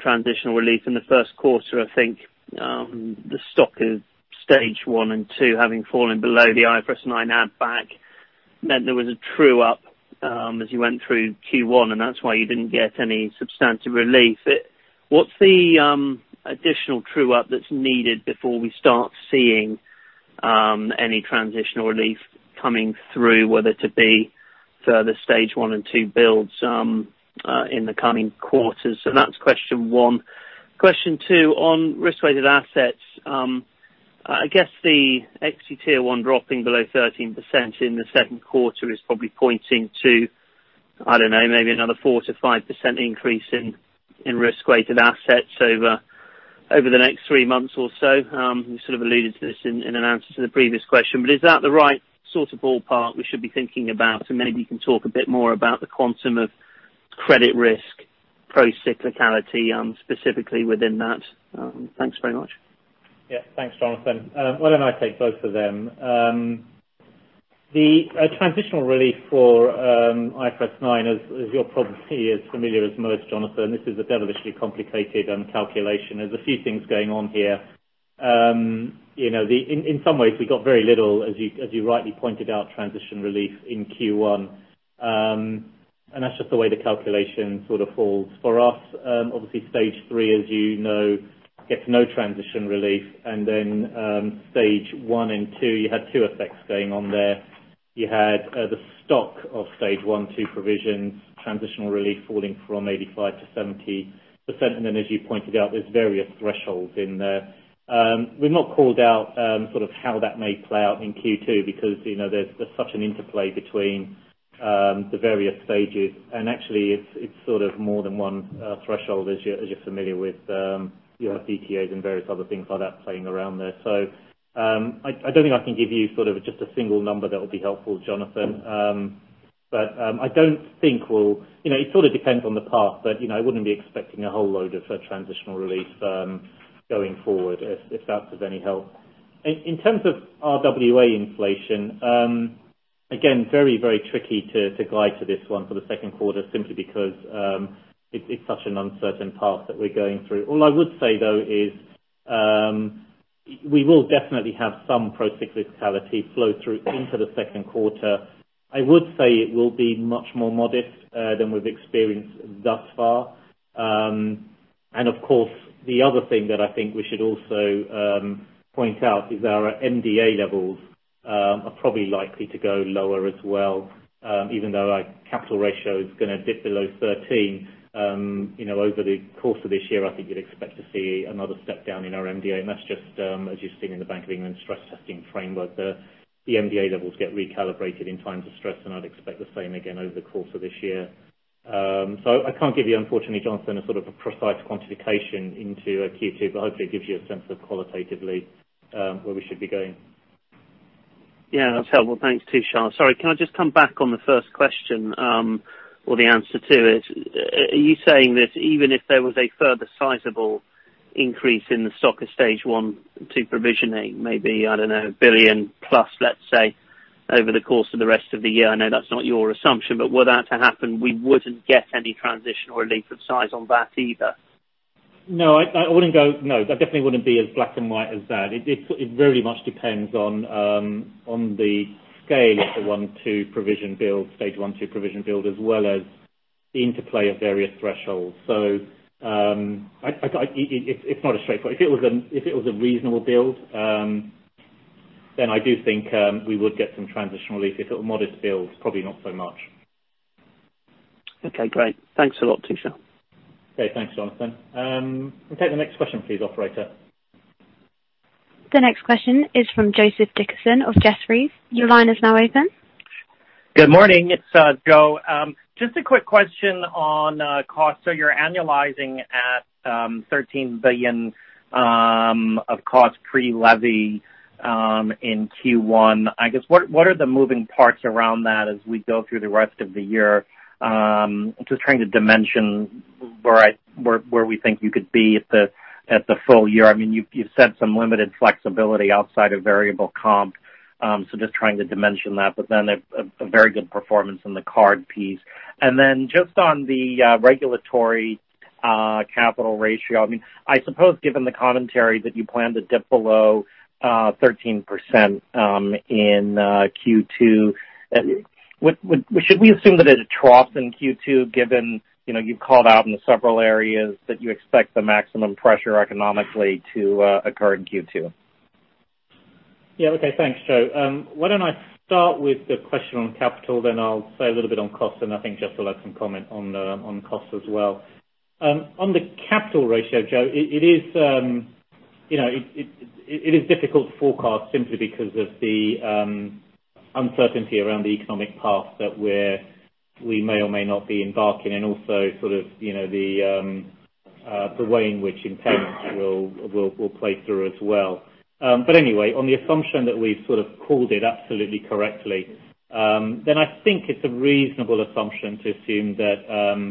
transitional relief in the first quarter. I think the stock is Stage 1 and Stage 2 having fallen below the IFRS 9 add back. There was a true-up as you went through Q1, and that's why you didn't get any substantive relief. What's the additional true-up that's needed before we start seeing any transitional relief coming through, whether to be further Stage 1 and Stage 2 builds in the coming quarters? That's question one. Question two, on Risk-Weighted Assets. I guess the exit Tier 1 dropping below 13% in the second quarter is probably pointing to, I don't know, maybe another 4%-5% increase in Risk-Weighted Assets over the next three months or so. You sort of alluded to this in an answer to the previous question. Is that the right sort of ballpark we should be thinking about? Maybe you can talk a bit more about the quantum of credit risk procyclicality specifically within that. Thanks very much. Yeah. Thanks, Jonathan. Why don't I take both of them? The transitional relief for IFRS 9 is, you're probably as familiar as most, Jonathan. This is a devilishly complicated calculation. There's a few things going on here. In some ways we got very little, as you rightly pointed out, transition relief in Q1. That's just the way the calculation sort of falls for us. Obviously Stage 3, as you know, gets no transition relief. Then Stage 1 and 2, you had two effects going on there. You had the stock of Stage 1, 2 provisions, transitional relief falling from 85% to 70%. Then as you pointed out, there's various thresholds in there. We've not called out sort of how that may play out in Q2 because there's such an interplay between the various stages. Actually it's sort of more than one threshold, as you're familiar with DTAs and various other things like that playing around there. I don't think I can give you sort of just a single number that will be helpful, Jonathan. It sort of depends on the path, but I wouldn't be expecting a whole load of transitional relief going forward, if that's of any help. In terms of RWA inflation, again, very tricky to guide to this one for the second quarter simply because it's such an uncertain path that we're going through. All I would say, though, is we will definitely have some procyclicality flow through into the second quarter. I would say it will be much more modest than we've experienced thus far. Of course, the other thing that I think we should also point out is our MDA levels are probably likely to go lower as well, even though our capital ratio is going to dip below 13. Over the course of this year, I think you'd expect to see another step down in our MDA, and that's just as you've seen in the Bank of England stress testing framework. The MDA levels get recalibrated in times of stress, and I'd expect the same again over the course of this year. I can't give you, unfortunately, Jonathan, a sort of a precise quantification into Q2, but hopefully it gives you a sense of qualitatively where we should be going. Yeah, that's helpful. Thanks, Tushar. Sorry, can I just come back on the first question or the answer to it? Are you saying that even if there was a further sizable increase in the IFRS 9 stage 1 provisioning, maybe, I don't know, 1 billion plus, let's say, over the course of the rest of the year? I know that's not your assumption, but were that to happen, we wouldn't get any transitional relief of size on that either? No, that definitely wouldn't be as black and white as that. It very much depends on the scale of the 1, 2 provision build, stage 1, 2 provision build, as well as the interplay of various thresholds. It's not a straightforward. If it was a reasonable build, I do think we would get some transitional relief. If it were modest build, probably not so much. Okay, great. Thanks a lot, Tushar. Okay. Thanks, Jonathan. We'll take the next question please, operator. The next question is from Joseph Dickerson of Jefferies. Your line is now open. Good morning. It's Joe. Just a quick question on costs. You're annualizing at 13 billion of cost pre-levy in Q1. I guess, what are the moving parts around that as we go through the rest of the year? I'm just trying to dimension where we think you could be at the full year. You've said some limited flexibility outside of variable comp, so just trying to dimension that. A very good performance in the card piece. Just on the regulatory capital ratio. I suppose given the commentary that you plan to dip below 13% in Q2, should we assume that as a trough in Q2, given you've called out in the several areas that you expect the maximum pressure economically to occur in Q2? Yeah. Okay. Thanks, Joe. Why don't I start with the question on capital, then I'll say a little bit on cost, and I think Jes will have some comment on cost as well. On the capital ratio, Joe, it is difficult to forecast simply because of the uncertainty around the economic path that we may or may not be embarking, and also sort of the way in which impairments will play through as well. Anyway, on the assumption that we've sort of called it absolutely correctly, then I think it's a reasonable assumption to assume that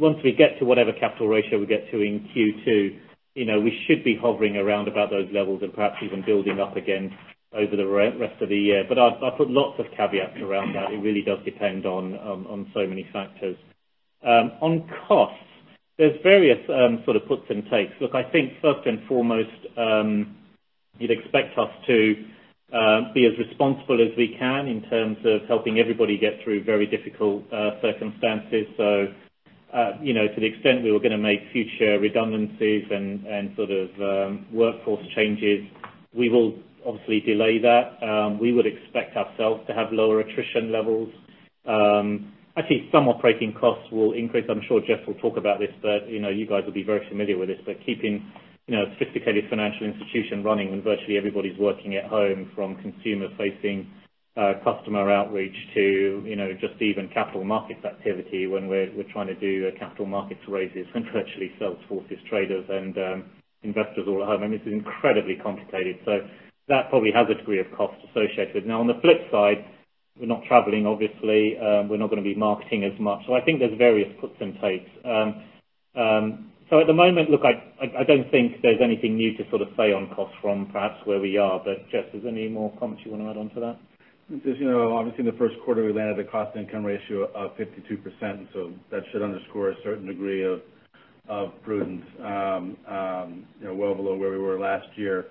once we get to whatever capital ratio we get to in Q2, we should be hovering around about those levels and perhaps even building up again over the rest of the year. I put lots of caveats around that. It really does depend on so many factors. On costs, there's various sort of puts and takes. Look, I think first and foremost, you'd expect us to be as responsible as we can in terms of helping everybody get through very difficult circumstances. To the extent we were going to make future redundancies and sort of workforce changes, we will obviously delay that. We would expect ourselves to have lower attrition levels. Actually, some operating costs will increase. I'm sure Jes will talk about this, but you guys will be very familiar with this, but keeping a sophisticated financial institution running when virtually everybody's working at home, from consumer-facing customer outreach to just even capital markets activity, when we're trying to do capital markets raises when virtually sales forces, traders, and investors are all at home. I mean, it's incredibly complicated. That probably has a degree of cost associated. Now, on the flip side, we're not traveling obviously. We're not going to be marketing as much. I think there's various puts and takes. At the moment, look, I don't think there's anything new to sort of say on costs from perhaps where we are. Jes, is there any more comments you want to add on to that? Obviously in the first quarter, we landed a cost income ratio of 52%. That should underscore a certain degree of prudence well below where we were last year.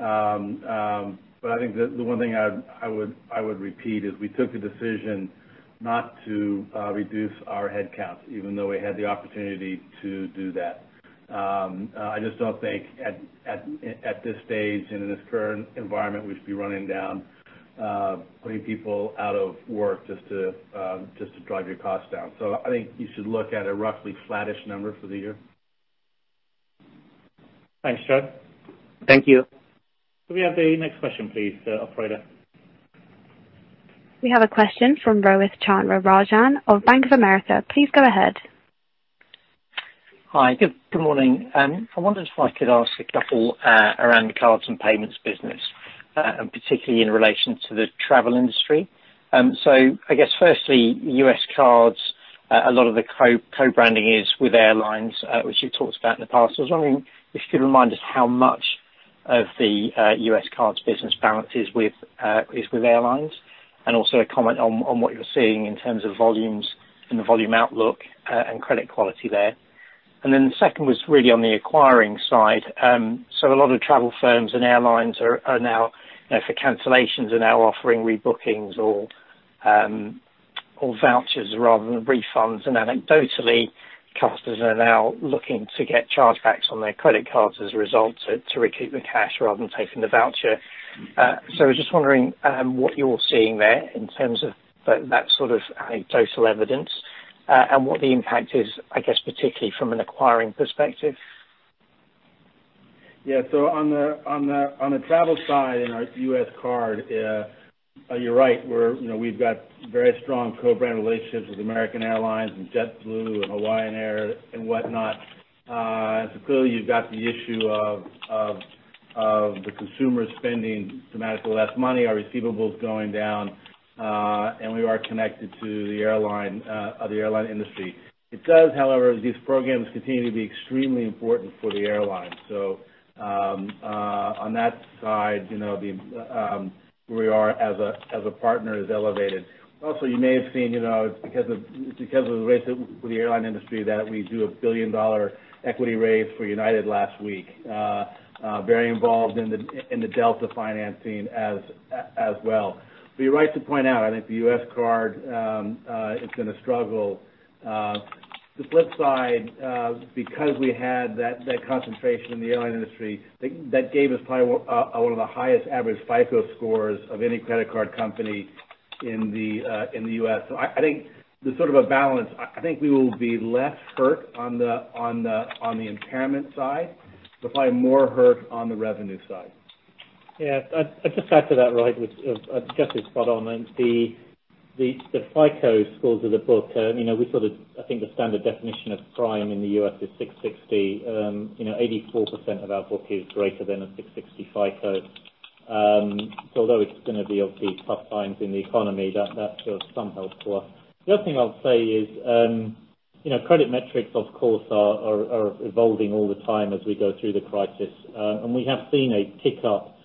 I think the one thing I would repeat is we took a decision not to reduce our headcount, even though we had the opportunity to do that. I just don't think at this stage and in this current environment, we should be running down putting people out of work just to drive your costs down. I think you should look at a roughly flattish number for the year. Thanks, Jes. Thank you. Can we have the next question, please, operator? We have a question from Rohith Chandra-Rajan of Bank of America. Please go ahead. Hi, good morning. I wondered if I could ask a couple around the cards and payments business, particularly in relation to the travel industry. I guess firstly, U.S. cards, a lot of the co-branding is with airlines, which you talked about in the past. I was wondering if you could remind us how much of the U.S. cards business balance is with airlines, and also a comment on what you're seeing in terms of volumes and the volume outlook and credit quality there. The second was really on the acquiring side. A lot of travel firms and airlines, for cancellations, are now offering rebookings or vouchers rather than refunds. Anecdotally, customers are now looking to get chargebacks on their credit cards as a result to recoup the cash rather than taking the voucher. I was just wondering what you're seeing there in terms of that sort of anecdotal evidence, and what the impact is, I guess, particularly from an acquiring perspective. On the travel side, in our U.S. card, you're right, we've got very strong co-brand relationships with American Airlines and JetBlue and Hawaiian Air and whatnot. Clearly you've got the issue of the consumer spending dramatically less money, our receivables going down, and we are connected to the airline industry. It does, however, these programs continue to be extremely important for the airlines. On that side, where we are as a partner is elevated. Also, you may have seen, because of the race with the airline industry, that we do a billion-dollar equity raise for United last week. Very involved in the Delta financing as well. You're right to point out, I think the U.S. card, it's going to struggle. The flip side, because we had that concentration in the airline industry, that gave us probably one of the highest average FICO scores of any credit card company in the U.S. I think there's sort of a balance. I think we will be less hurt on the impairment side, but probably more hurt on the revenue side. Yeah. I'd just add to that, Raj, I guess it's spot on. The FICO scores of the book, I think the standard definition of prime in the U.S. is 660. 84% of our book is greater than a 660 FICO. Although it's going to be obviously tough times in the economy, that's of some help to us. The other thing I'll say is credit metrics of course are evolving all the time as we go through the crisis. We have seen a tick-up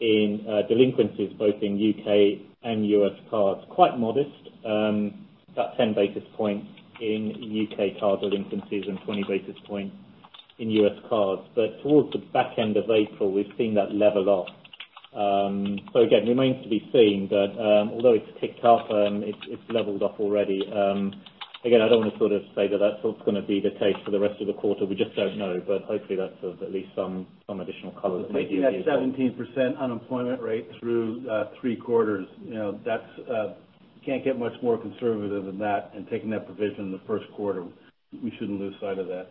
in delinquencies, both in U.K. and U.S. cards. Quite modest. About 10 basis points in U.K. card delinquencies and 20 basis points in U.S. cards. Towards the back end of April, we've seen that level off. Again, remains to be seen. Although it's ticked up, it's leveled off already. Again, I don't want to say that that's what's going to be the case for the rest of the quarter. We just don't know. Hopefully that's of at least some additional color. Taking that 17% unemployment rate through three quarters. You can't get much more conservative than that and taking that provision in the first quarter. We shouldn't lose sight of that.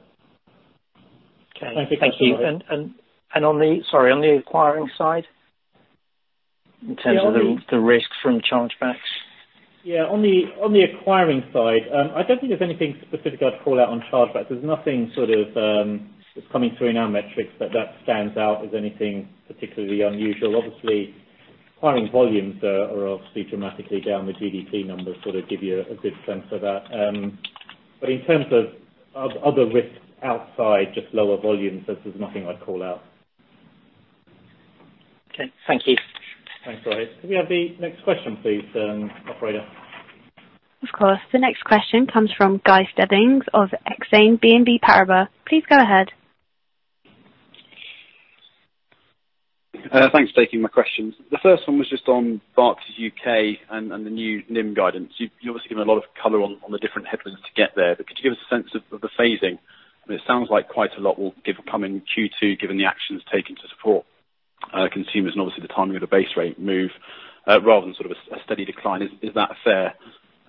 Okay. Thank you. Thanks. On the, sorry, on the acquiring side, in terms of the risks from chargebacks? Yeah, on the acquiring side, I don't think there's anything specific I'd call out on chargebacks. There's nothing that's coming through in our metrics that stands out as anything particularly unusual. Obviously, acquiring volumes are obviously dramatically down. The GDP numbers sort of give you a good sense of that. In terms of other risks outside just lower volumes, there's nothing I'd call out. Okay. Thank you. Thanks, Raj. Can we have the next question please, operator? Of course. The next question comes from Guy Stebbings of Exane BNP Paribas. Please go ahead. Thanks for taking my questions. The first one was just on Barclays UK and the new NIM guidance. You've obviously given a lot of color on the different headwinds to get there, but could you give us a sense of the phasing? I mean, it sounds like quite a lot will come in Q2 given the actions taken to support consumers and obviously the timing of the base rate move, rather than sort of a steady decline. Is that fair?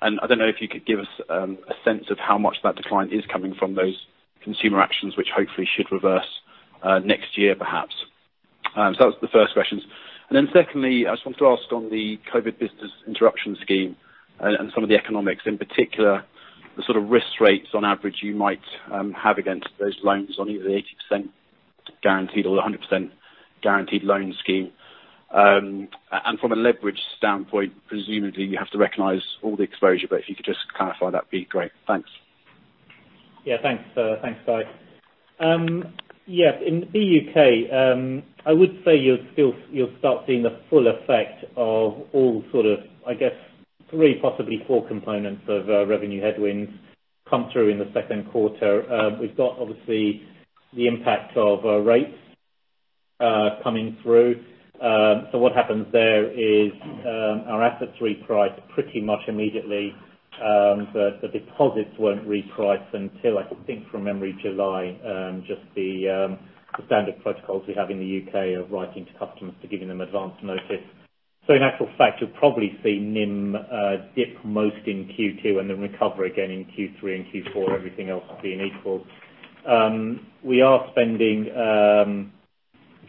I don't know if you could give us a sense of how much that decline is coming from those consumer actions, which hopefully should reverse next year perhaps. That was the first questions. Secondly, I just wanted to ask on the COVID business interruption scheme and some of the economics, in particular, the sort of risk rates on average you might have against those loans on either the 80% guaranteed or the 100% guaranteed loan scheme. From a leverage standpoint, presumably you have to recognize all the exposure, but if you could just clarify that'd be great. Thanks. Yeah. Thanks, Guy. In the U.K., I would say you'll start seeing the full effect of all sort of, I guess three, possibly four components of revenue headwinds come through in the second quarter. We've got obviously the impact of rates coming through. What happens there is our assets reprice pretty much immediately. The deposits won't reprice until, I think from memory, July. Just the standard protocols we have in the U.K. of writing to customers to give them advance notice. In actual fact, you'll probably see NIM dip most in Q2 and then recover again in Q3 and Q4, everything else being equal. We are spendingIf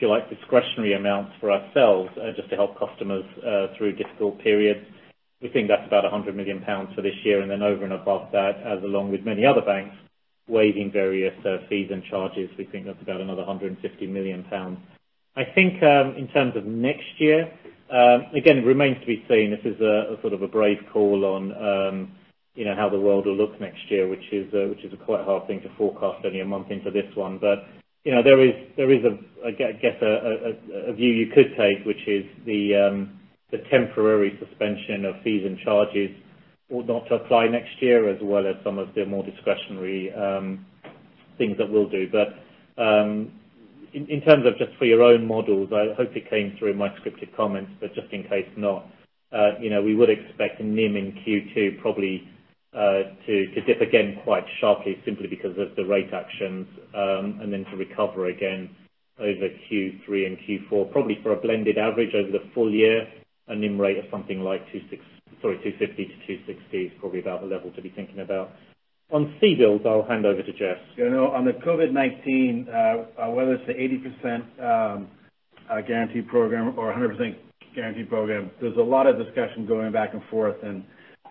you like discretionary amounts for ourselves just to help customers through difficult periods. We think that's about 100 million pounds for this year, and then over and above that, as along with many other banks waiving various fees and charges, we think that's about another 150 million pounds. I think in terms of next year, again, it remains to be seen. This is a sort of a brave call on how the world will look next year, which is a quite hard thing to forecast only a month into this one. There is, I guess, a view you could take, which is the temporary suspension of fees and charges ought not to apply next year, as well as some of the more discretionary things that we'll do. In terms of just for your own models, I hope it came through in my scripted comments, but just in case not, we would expect NIM in Q2 probably to dip again quite sharply simply because of the rate actions, and then to recover again over Q3 and Q4, probably for a blended average over the full year, a NIM rate of something like 260-- sorry, 250 to 260 is probably about the level to be thinking about. On CBILS, I'll hand over to Jes. On the COVID-19, whether it's the 80% guaranteed program or 100% guaranteed program, there's a lot of discussion going back and forth.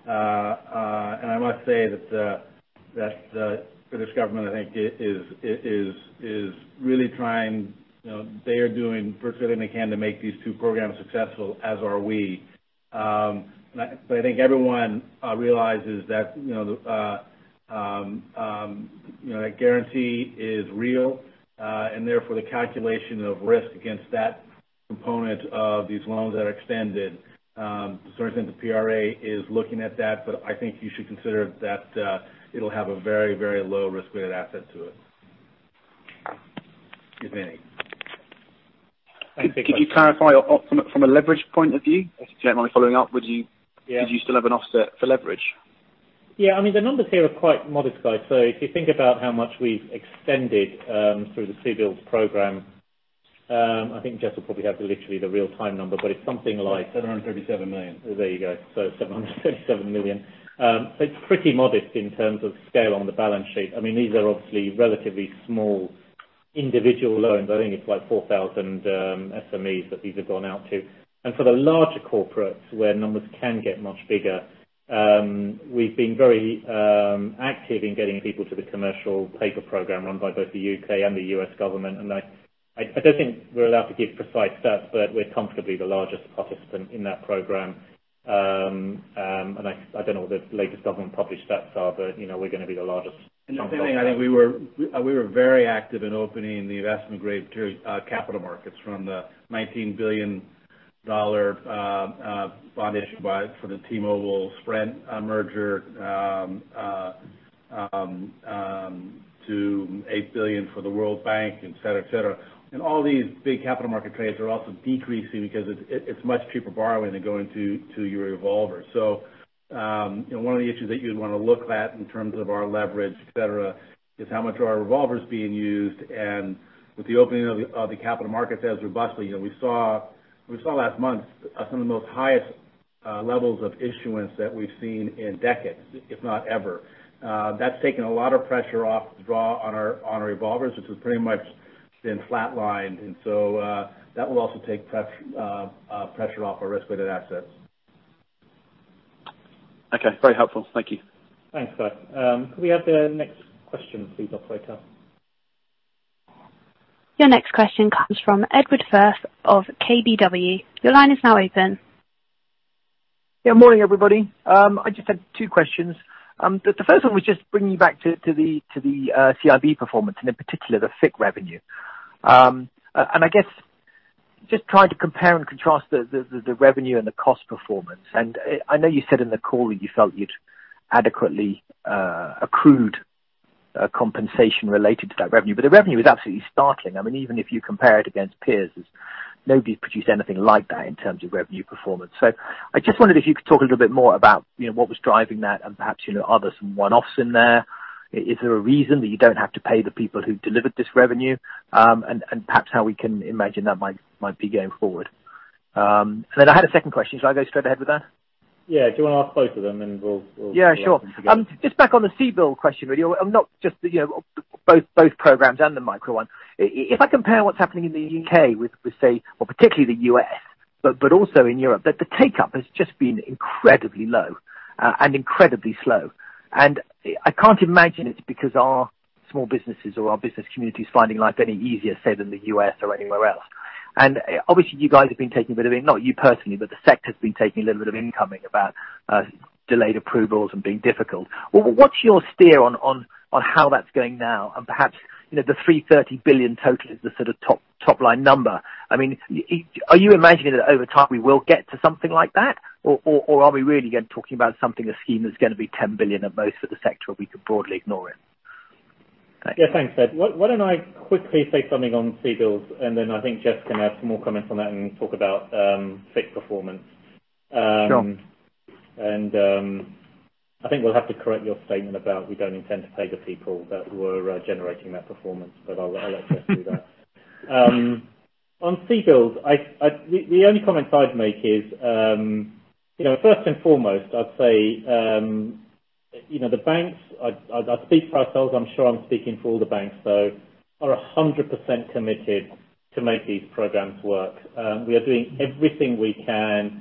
I must say that the British government, I think, is really trying. They are doing virtually everything they can to make these two programs successful, as are we. I think everyone realizes that the guarantee is real, and therefore the calculation of risk against that component of these loans that are extended. Certainly, the PRA is looking at that, I think you should consider that it'll have a very, very low risk-weighted asset to it. If any. Thanks. Could you clarify from a leverage point of view? Yeah. Did you still have an offset for leverage? Yeah. The numbers here are quite modest, Guy. If you think about how much we've extended through the CBILS program, I think Jes will probably have literally the real-time number, but it's something like- 737 million. There you go. 737 million. It's pretty modest in terms of scale on the balance sheet. These are obviously relatively small individual loans. I think it's like 4,000 SMEs that these have gone out to. For the larger corporates, where numbers can get much bigger, we've been very active in getting people to the commercial paper program run by both the U.K. and the U.S. government. I don't think we're allowed to give precise stats, but we're comfortably the largest participant in that program. I don't know what the latest government published stats are, but we're going to be the largest. I think we were very active in opening the investment-grade capital markets from the GBP 19 billion bond issue for the T-Mobile/Sprint merger to 8 billion for the World Bank, et cetera. All these big capital market trades are also decreasing because it's much cheaper borrowing than going to your revolver. One of the issues that you'd want to look at in terms of our leverage, et cetera, is how much are our revolvers being used. With the opening of the capital markets as robustly, we saw last month some of the most highest levels of issuance that we've seen in decades, if not ever. That's taken a lot of pressure off the draw on our revolvers, which has pretty much been flat-lined, and so that will also take pressure off our risk-weighted assets. Okay. Very helpful. Thank you. Thanks, Guy. Could we have the next question, please, operator? Your next question comes from Ed Firth of KBW. Your line is now open. Yeah. Morning, everybody. I just had two questions. The first one was just bringing back to the CIB performance, and in particular, the FICC revenue. I guess just trying to compare and contrast the revenue and the cost performance. I know you said in the call that you felt you'd adequately accrued compensation related to that revenue, but the revenue is absolutely startling. Even if you compare it against peers, nobody's produced anything like that in terms of revenue performance. I just wondered if you could talk a little bit more about what was driving that and perhaps are there some one-offs in there. Is there a reason that you don't have to pay the people who delivered this revenue? Perhaps how we can imagine that might be going forward. I had a second question. Should I go straight ahead with that? Yeah. Do you want to ask both of them, and we'll Yeah, sure. Just back on the CBIL question, really. Not just both programs and the micro one. If I compare what's happening in the U.K. with, say, well, particularly the U.S., but also in Europe, that the take-up has just been incredibly low and incredibly slow. I can't imagine it's because our small businesses or our business community is finding life any easier, say, than the U.S. or anywhere else. Obviously, you guys have been taking a bit of it, not you personally, but the sector has been taking a little bit of incoming about delayed approvals and being difficult. What's your steer on how that's going now? Perhaps, the 330 billion total is the sort of top-line number. Are you imagining that over time we will get to something like that? Are we really again talking about something, a scheme that's going to be 10 billion at most for the sector, we could broadly ignore it? Yeah. Thanks, Ed. Why don't I quickly say something on CBILS, and then I think Jes can add some more comments on that and talk about FICC performance. Sure. I think we'll have to correct your statement about we don't intend to pay the people that were generating that performance, but I'll let Jes do that. On CBILS, the only comment I'd make is first and foremost, the banks, I speak for ourselves, I'm sure I'm speaking for all the banks, though, are 100% committed to make these programs work. We are doing everything we can to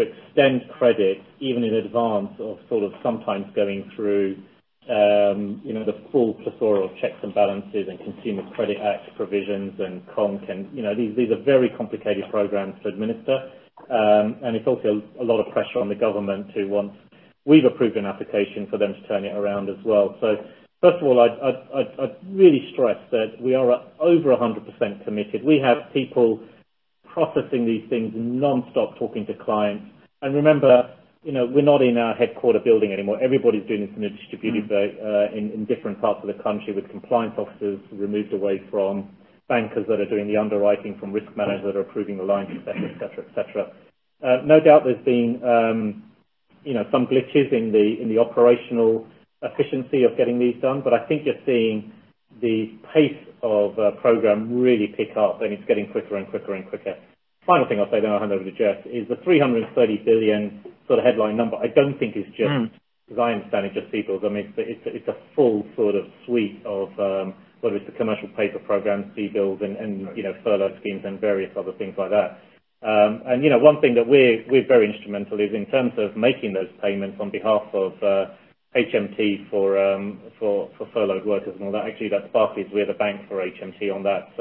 extend credit, even in advance of sometimes going through the full plethora of checks and balances and Consumer Credit Act provisions and con. These are very complicated programs to administer. It's also a lot of pressure on the government who wants. We've approved an application for them to turn it around as well. First of all, I'd really stress that we are over 100% committed. We have people processing these things nonstop, talking to clients. Remember, we're not in our headquarter building anymore. Everybody's doing this in a distributed way, in different parts of the country, with compliance officers removed away from bankers that are doing the underwriting, from risk managers that are approving the lines of credit, et cetera. No doubt there's been some glitches in the operational efficiency of getting these done. I think you're seeing the pace of the program really pick up, and it's getting quicker and quicker. Final thing I'll say, then I'll hand over to Jes, is the 330 billion headline number, I don't think is just- as I understand it, just CBILS. I mean, it's a full suite of whether it's the commercial paper program, CBILS, and furlough schemes and various other things like that. One thing that we're very instrumental is in terms of making those payments on behalf of HMT for furloughed workers and all that. Actually, that's Barclays. We're the bank for HMT on that.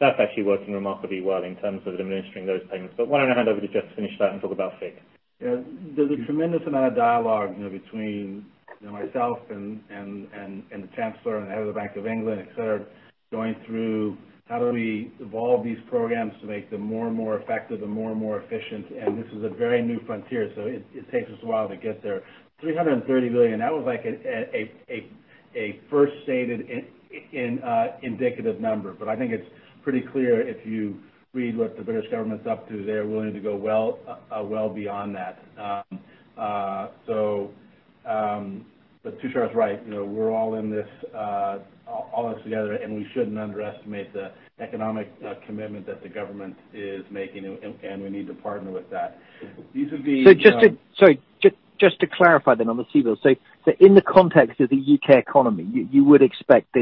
That's actually working remarkably well in terms of administering those payments. Why don't I hand over to Jes to finish that and talk about FIC? Yeah. There's a tremendous amount of dialogue between myself and the chancellor and the head of the Bank of England, et cetera, going through how do we evolve these programs to make them more and more effective and more and more efficient. This is a very new frontier, so it takes us a while to get there. 330 billion, that was like a first stated indicative number. I think it's pretty clear if you read what the British government's up to, they're willing to go well beyond that. Tushar is right. We're all in this together, and we shouldn't underestimate the economic commitment that the government is making, and we need to partner with that. vis-à-vis- Sorry, just to clarify then on the CBILS. In the context of the U.K. economy, you would expect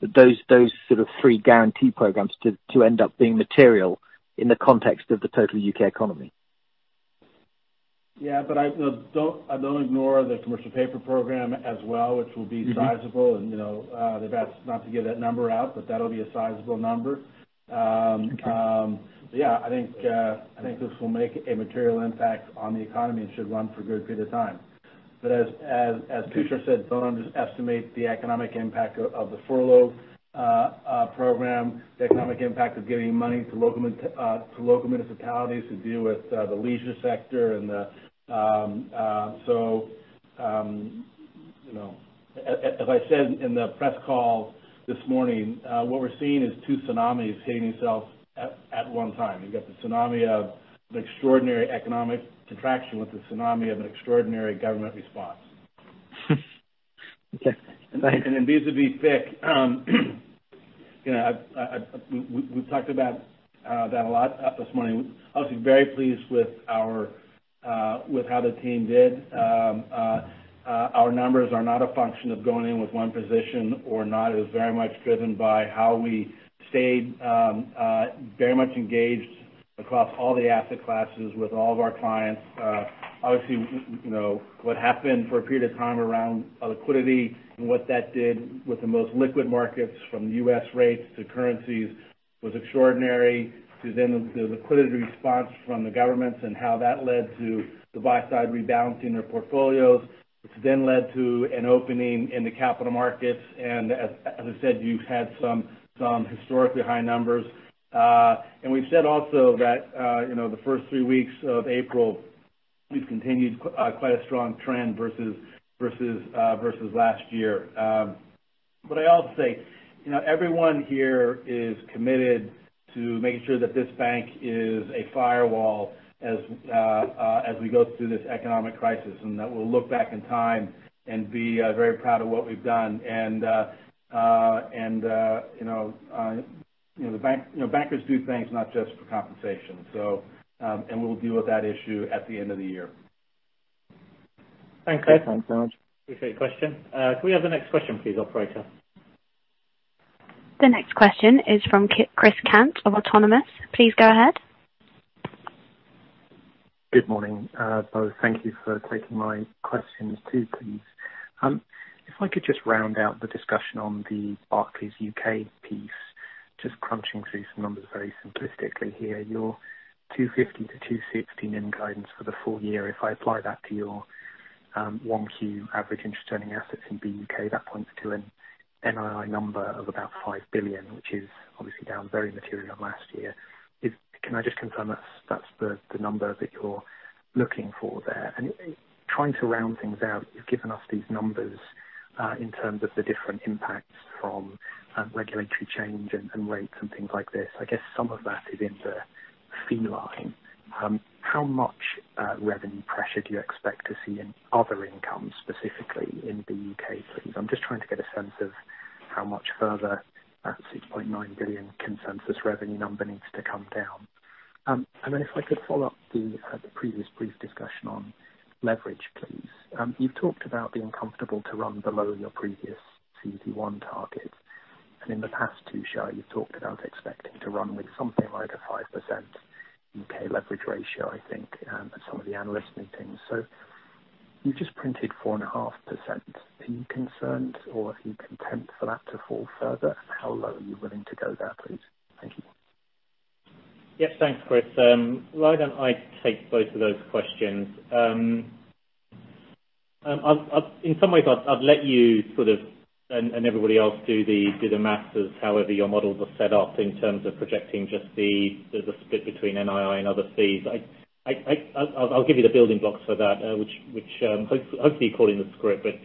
those three guarantee programs to end up being material in the context of the total U.K. economy? Yeah, I don't ignore the commercial paper program as well, which will be sizable. they've asked not to give that number out, but that'll be a sizable number. Okay. Yeah. I think this will make a material impact on the economy and should run for a good period of time. As Tushar said, don't underestimate the economic impact of the furlough program, the economic impact of giving money to local municipalities to deal with the leisure sector. As I said in the press call this morning, what we're seeing is two tsunamis hitting itself at one time. You've got the tsunami of an extraordinary economic contraction with the tsunami of an extraordinary government response. Okay. Thank you. vis-à-vis FICC. We've talked about that a lot this morning. Obviously very pleased with how the team did. Our numbers are not a function of going in with one position or not. It was very much driven by how we stayed very much engaged across all the asset classes with all of our clients. Obviously, what happened for a period of time around liquidity and what that did with the most liquid markets from U.S. rates to currencies was extraordinary. To then the liquidity response from the governments and how that led to the buy side rebalancing their portfolios, which then led to an opening in the capital markets. As I said, you've had some historically high numbers. We've said also that the first three weeks of April, we've continued quite a strong trend versus last year. I also say, everyone here is committed to making sure that this bank is a firewall as we go through this economic crisis, and that we'll look back in time and be very proud of what we've done. Bankers do things not just for compensation. We'll deal with that issue at the end of the year. Thanks, Jes. Thanks so much. Appreciate the question. Could we have the next question please, operator? The next question is from Chris Sheridan of Autonomous. Please go ahead. Good morning. Both, thank you for taking my questions too, please. If I could just round out the discussion on the Barclays UK piece. Just crunching through some numbers very simplistically here. Your 250-260 million guidance for the full year, if I apply that to your 1Q average interest earning assets in BUK, that points to an NII number of about 5 billion, which is obviously down very material last year. Can I just confirm that's the number that you're looking for there? Trying to round things out, you've given us these numbers in terms of the different impacts from regulatory change and rates and things like this. I guess some of that is in the fee line. How much revenue pressure do you expect to see in other incomes, specifically in the UK please? I'm just trying to get a sense of how much further that 6.9 billion consensus revenue number needs to come down. If I could follow up the previous brief discussion on leverage, please. You've talked about being comfortable to run below your previous CET1 target. In the past too, Sha, you've talked about expecting to run with something like a 5% U.K. leverage ratio, I think, at some of the analyst meetings. You just printed 4.5%. Are you concerned or are you content for that to fall further? How low are you willing to go there, please? Thank you. Yes, thanks, Chris. Why don't I take both of those questions? In some ways, I'd let you and everybody else do the math as however your models are set up in terms of projecting just the split between NII and other fees. I'll give you the building blocks for that which hopefully you caught in the script, but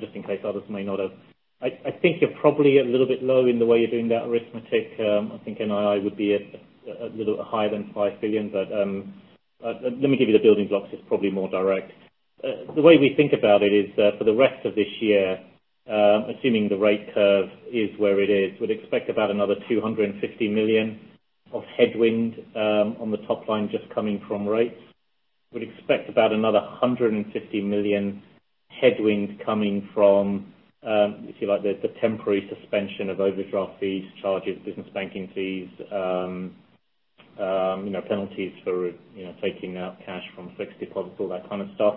just in case others may not have. I think you're probably a little bit low in the way you're doing that arithmetic. I think NII would be a little higher than five billion, but let me give you the building blocks. It's probably more direct. The way we think about it is for the rest of this year, assuming the rate curve is where it is, we'd expect about another 250 million of headwind on the top line just coming from rates. We'd expect about another 150 million headwind coming from the temporary suspension of overdraft fees, charges, business banking fees, penalties for taking out cash from fixed deposits, all that kind of stuff.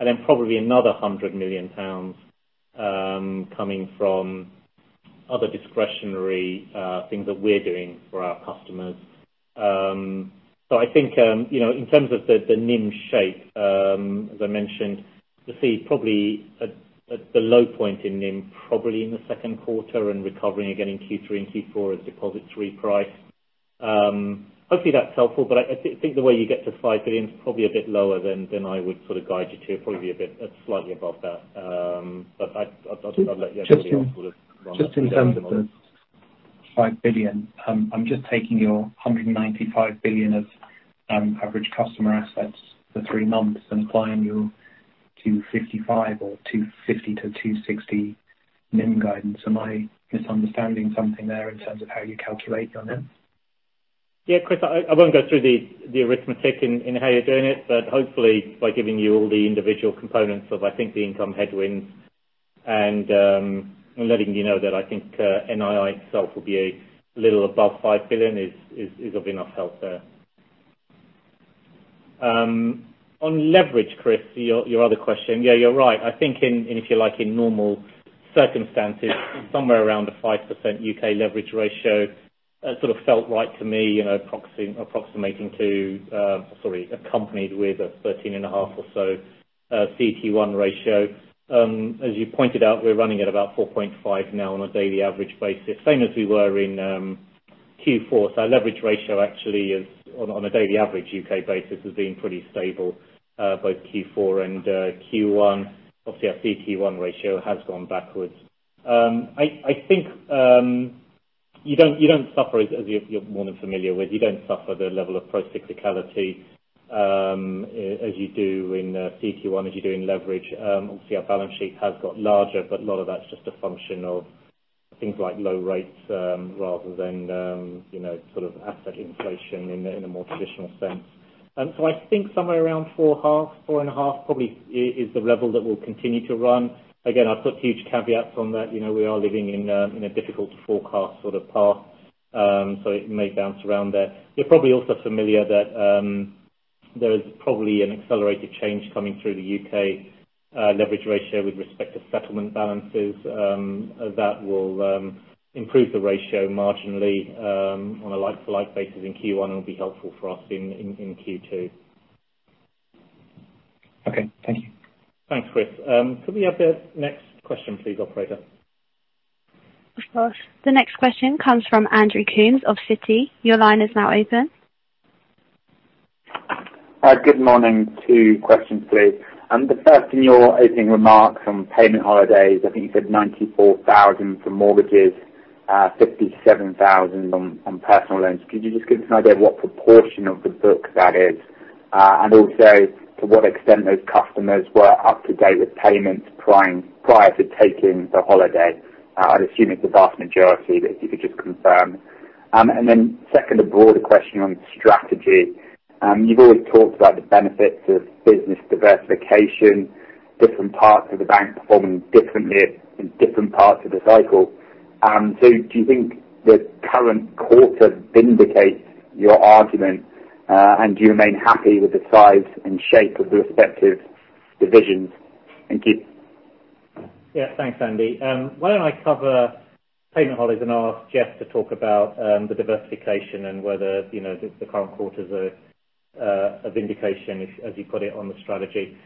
then probably another 100 million coming from other discretionary things that we're doing for our customers. I think, in terms of the NIM shape, as I mentioned, you'll see probably at the low point in NIM probably in the second quarter and recovering again in Q3 and Q4 as deposits reprice. Hopefully that's helpful, but I think the way you get to 5 billion is probably a bit lower than I would guide you to. Probably a bit slightly above that. I'll let you- Just in terms of Run that through your model the 5 billion, I'm just taking your 195 billion of average customer assets for three months and applying your 255 or 250-260 NIM guidance. Am I misunderstanding something there in terms of how you calculate your NIM? Yeah, Chris, I won't go through the arithmetic in how you're doing it, but hopefully by giving you all the individual components of, I think, the income headwinds and letting you know that I think NII itself will be a little above five billion is of enough help there. On leverage, Chris, your other question. Yeah, you're right. I think if you like, in normal circumstances, somewhere around a 5% UK leverage ratio felt right to me approximating to, sorry, accompanied with a 13.5 or so CT1 ratio. As you pointed out, we're running at about 4.5 now on a daily average basis, same as we were in Q4. our leverage ratio actually is on a daily average UK basis, has been pretty stable both Q4 and Q1. Obviously our CT1 ratio has gone backwards. I think you don't suffer, as you're more than familiar with, you don't suffer the level of procyclicality as you do in CET1, as you do in leverage. Obviously, our balance sheet has got larger, but a lot of that's just a function of things like low rates rather than asset inflation in a more traditional sense. I think somewhere around four and a half probably is the level that we'll continue to run. Again, I've put huge caveats on that. We are living in a difficult to forecast sort of path. It may bounce around there. You're probably also familiar that there is probably an accelerated change coming through the U.K. leverage ratio with respect to settlement balances. That will improve the ratio marginally on a like-to-like basis in Q1 and will be helpful for us in Q2. Okay. Thank you. Thanks, Chris. Could we have the next question please, operator? Of course. The next question comes from Andrew Coombs of Citi. Your line is now open. Hi. Good morning. Two questions, please. The first, in your opening remarks on payment holidays, I think you said 94,000 for mortgages, 57,000 on personal loans. Could you just give us an idea of what proportion of the book that is? Also to what extent those customers were up to date with payments prior to taking the holiday? I'd assume it's the vast majority, but if you could just confirm. Second, a broader question on strategy. You've always talked about the benefits of business diversification, different parts of the bank performing differently in different parts of the cycle. Do you think the current quarter vindicates your argument? Do you remain happy with the size and shape of the respective divisions? Thank you. Yeah. Thanks, Andy. Why don't I cover payment holidays and ask Jes to talk about the diversification and whether the current quarter is a vindication, as you put it, on the strategy.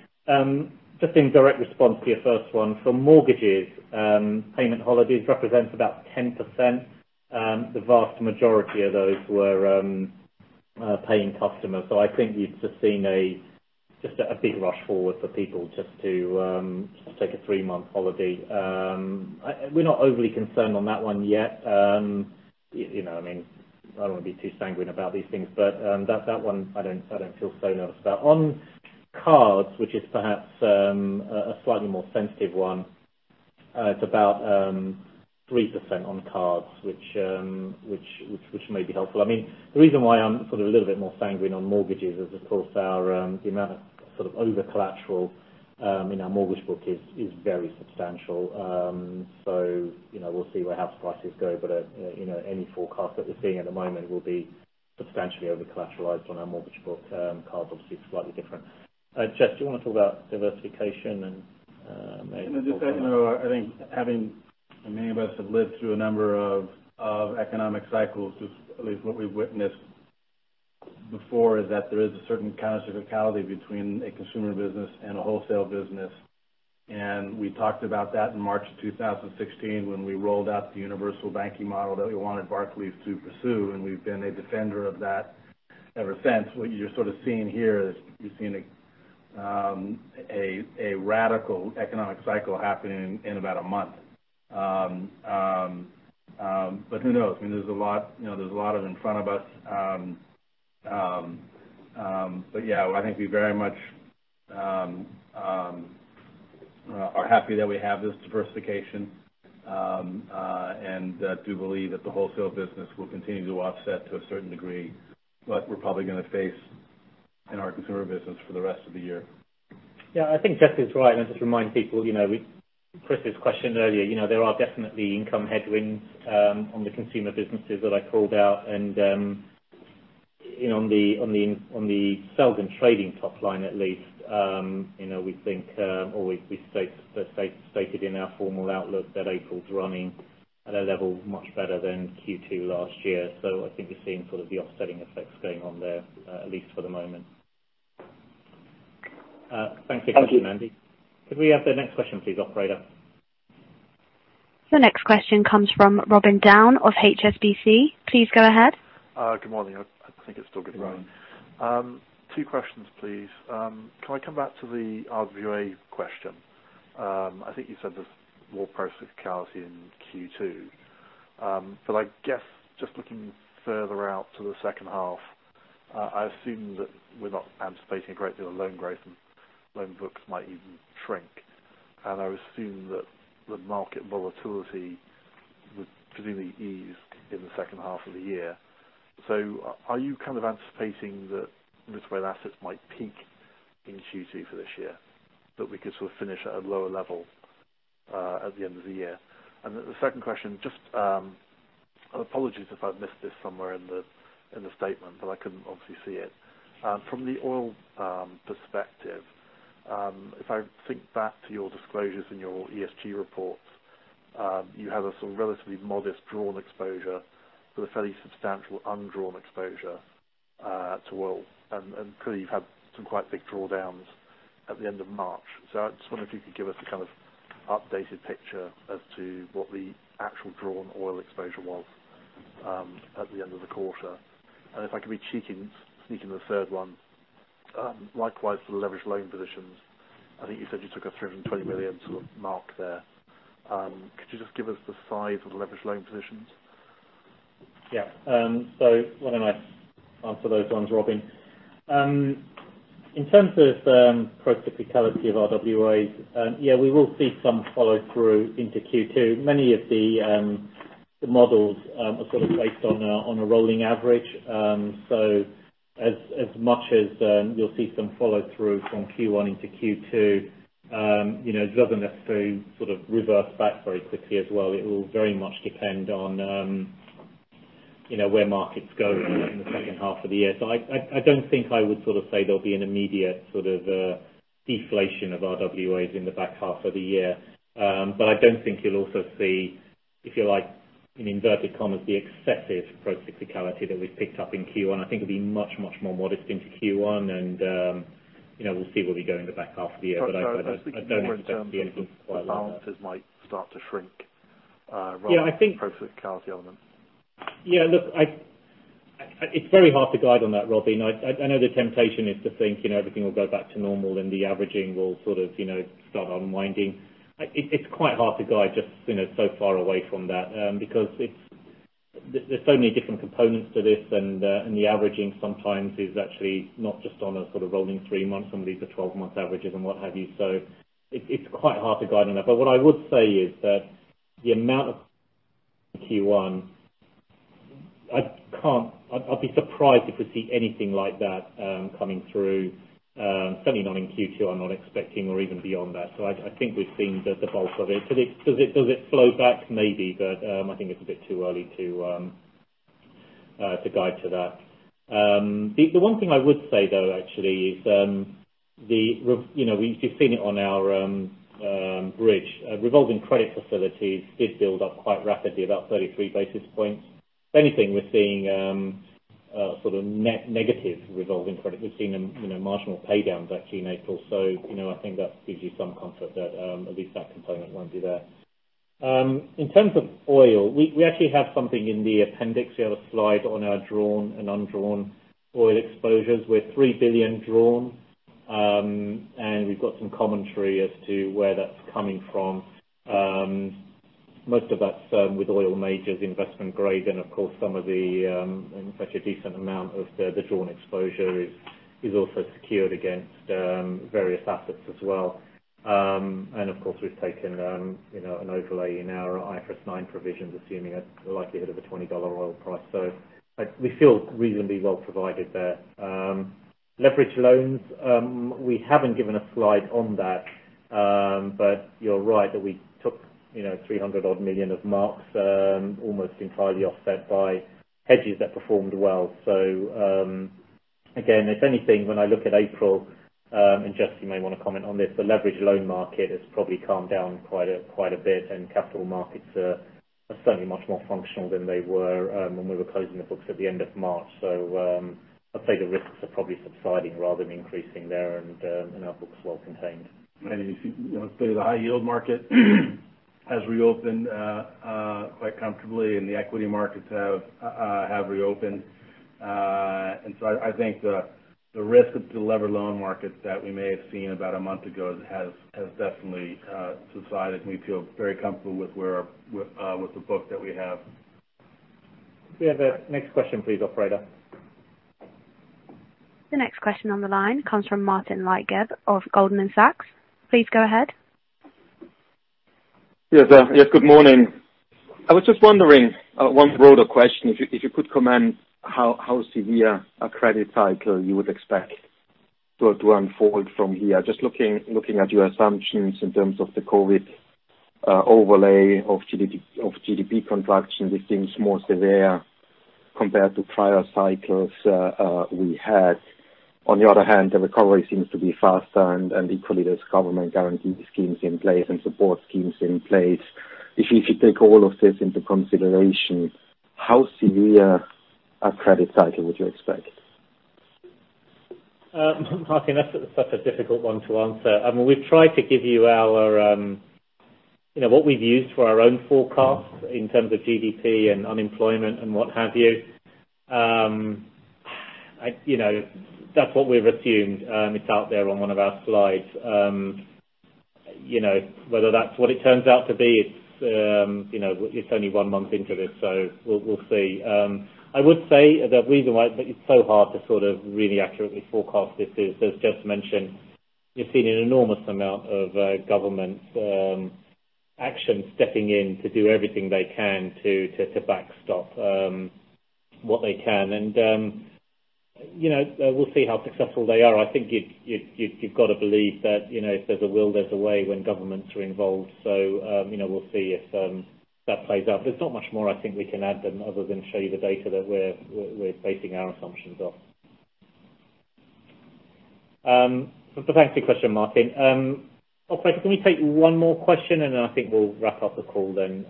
Just in direct response to your first one, for mortgages, payment holidays represents about 10%. The vast majority of those were paying customers. I think you've just seen a big rush forward for people just to take a three-month holiday. We're not overly concerned on that one yet. I don't want to be too sanguine about these things, but that one I don't feel so nervous about. On cards, which is perhaps a slightly more sensitive one. It's about 3% on cards, which may be helpful. The reason why I'm a little bit more sanguine on mortgages is, of course, the amount of over-collateral in our mortgage book is very substantial. We'll see where house prices go. any forecast that we're seeing at the moment will be substantially over-collateralized on our mortgage book. Cards, obviously, is slightly different. Jes, do you want to talk about diversification and maybe talk about- No, just saying that I think having many of us have lived through a number of economic cycles, at least what we've witnessed before, is that there is a certain counter cyclicality between a consumer business and a wholesale business. We talked about that in March of 2016 when we rolled out the universal banking model that we wanted Barclays to pursue, and we've been a defender of that ever since. What you're seeing here is, you're seeing a radical economic cycle happening in about a month. Who knows? There's a lot in front of us. Yeah, I think we very much are happy that we have this diversification, and do believe that the wholesale business will continue to offset to a certain degree what we're probably going to face in our consumer business for the rest of the year. Yeah, I think Jes is right. Let's just remind people, Chris' question earlier, there are definitely income headwinds on the consumer businesses that I called out. On the sales and trading top line at least, we think or we stated in our formal outlook that April's running at a level much better than Q2 last year. I think you're seeing the offsetting effects going on there, at least for the moment. Thanks for the question, Andy. Thank you. Could we have the next question please, operator? The next question comes from Robin Down of HSBC. Please go ahead. Good morning. I think it's still good morning. Two questions, please. Can I come back to the RWA question? I think you said there's more procyclicality in Q2. I guess just looking further out to the second half, I assume that we're not anticipating a great deal of loan growth and loan books might even shrink. I assume that the market volatility would presumably ease in the second half of the year. Are you anticipating that risk-weighted assets might peak in Q2 for this year, but we could finish at a lower level at the end of the year? The second question, I apologize if I've missed this somewhere in the statement, but I couldn't obviously see it. From the oil perspective, if I think back to your disclosures in your ESG reports, you have a relatively modest drawn exposure with a fairly substantial undrawn exposure to oil, and clearly you've had some quite big drawdowns at the end of March. I just wonder if you could give us a kind of updated picture as to what the actual drawn oil exposure was at the end of the quarter. If I could sneak in a third one, likewise, for the leveraged loan positions, I think you said you took a 320 million mark there. Could you just give us the size of the leveraged loan positions? Yeah. Why don't I answer those ones, Robin. In terms of pro cyclicality of RWAs, yeah, we will see some follow through into Q2. Many of the models are based on a rolling average. As much as you'll see some follow through from Q1 into Q2, it doesn't necessarily reverse back very quickly as well. It will very much depend on where markets go in the second half of the year. I don't think I would say there'll be an immediate deflation of RWAs in the back half of the year. I don't think you'll also see, if you like, in inverted commas, the excessive pro cyclicality that we've picked up in Q1. I think it'll be much, much more modest into Q1, and we'll see where we go in the back half of the year. I don't expect to see anything quite like that. I was thinking more in terms of balances might start to shrink- Yeah, I think- rather than pro cyclicality elements. Yeah, look, it's very hard to guide on that, Robin. I know the temptation is to think everything will go back to normal and the averaging will start unwinding. It's quite hard to guide just so far away from that. There's so many different components to this, and the averaging sometimes is actually not just on a rolling three months. Some of these are 12 months averages and what have you. It's quite hard to guide on that. What I would say is that the amount of Q1, I'd be surprised if we see anything like that coming through. Certainly not in Q2, I'm not expecting or even beyond that. I think we've seen the bulk of it. Does it flow back? Maybe. I think it's a bit too early to guide to that. The one thing I would say, though, actually is, you've seen it on our bridge. Revolving credit facilities did build up quite rapidly, about 33 basis points. If anything, we're seeing a net negative revolving credit. We've seen marginal pay downs back in April. I think that gives you some comfort that at least that component won't be there. In terms of oil, we actually have something in the appendix. We have a slide on our drawn and undrawn oil exposures. We're 3 billion drawn. We've got some commentary as to where that's coming from. Most of that's with oil majors, investment grade, and of course, such a decent amount of the drawn exposure is also secured against various assets as well. Of course, we've taken an overlay in our IFRS 9 provisions, assuming a likelihood of a $20 oil price. We feel reasonably well provided there. Leverage loans. We haven't given a slide on that. You're right that we took 300 odd million of marks, almost entirely offset by hedges that performed well. Again, if anything, when I look at April, and Jes, you may want to comment on this, the leverage loan market has probably calmed down quite a bit, and capital markets are certainly much more functional than they were when we were closing the books at the end of March. I'd say the risks are probably subsiding rather than increasing there and our book's well contained. The high yield market has reopened quite comfortably and the equity markets have reopened. I think the risk of the lever loan markets that we may have seen about a month ago has definitely subsided. We feel very comfortable with the book that we have. Can we have the next question please, operator? The next question on the line comes from Martin Leitgeb of Goldman Sachs. Please go ahead. Yes. Good morning. I was just wondering, one broader question, if you could comment how severe a credit cycle you would expect to unfold from here. Just looking at your assumptions in terms of the COVID-19 overlay of GDP contraction, this seems more severe compared to prior cycles we had. On the other hand, the recovery seems to be faster and equally, there's government guarantee schemes in place and support schemes in place. If you take all of this into consideration, how severe a credit cycle would you expect? Martin, that's such a difficult one to answer. We've tried to give you what we've used for our own forecast in terms of GDP and unemployment and what have you. That's what we've assumed. It's out there on one of our slides. Whether that's what it turns out to be, it's only one month into this, so we'll see. I would say the reason why it's so hard to really accurately forecast this is, as Jes mentioned, you've seen an enormous amount of government action stepping in to do everything they can to backstop what they can. We'll see how successful they are. I think you've got to believe that if there's a will, there's a way when governments are involved. We'll see if that plays out. There's not much more I think we can add other than show you the data that we're basing our assumptions off. Thanks for your question, Martin. Operator, can we take one more question and then I think we'll wrap up the call then.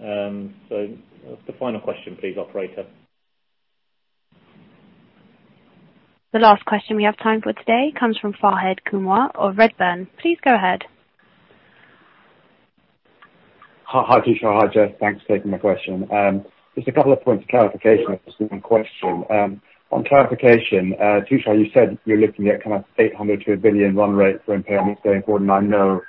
The final question, please, Operator. The last question we have time for today comes from Fahed Kunwar of Redburn. Please go ahead. Hi, Tushar. Hi, Jes. Thanks for taking my question. Just a couple of points of clarification and one question. On clarification, Tushar, you said you're looking at kind of 800 million to 1 billion run rate for impairments going forward. I know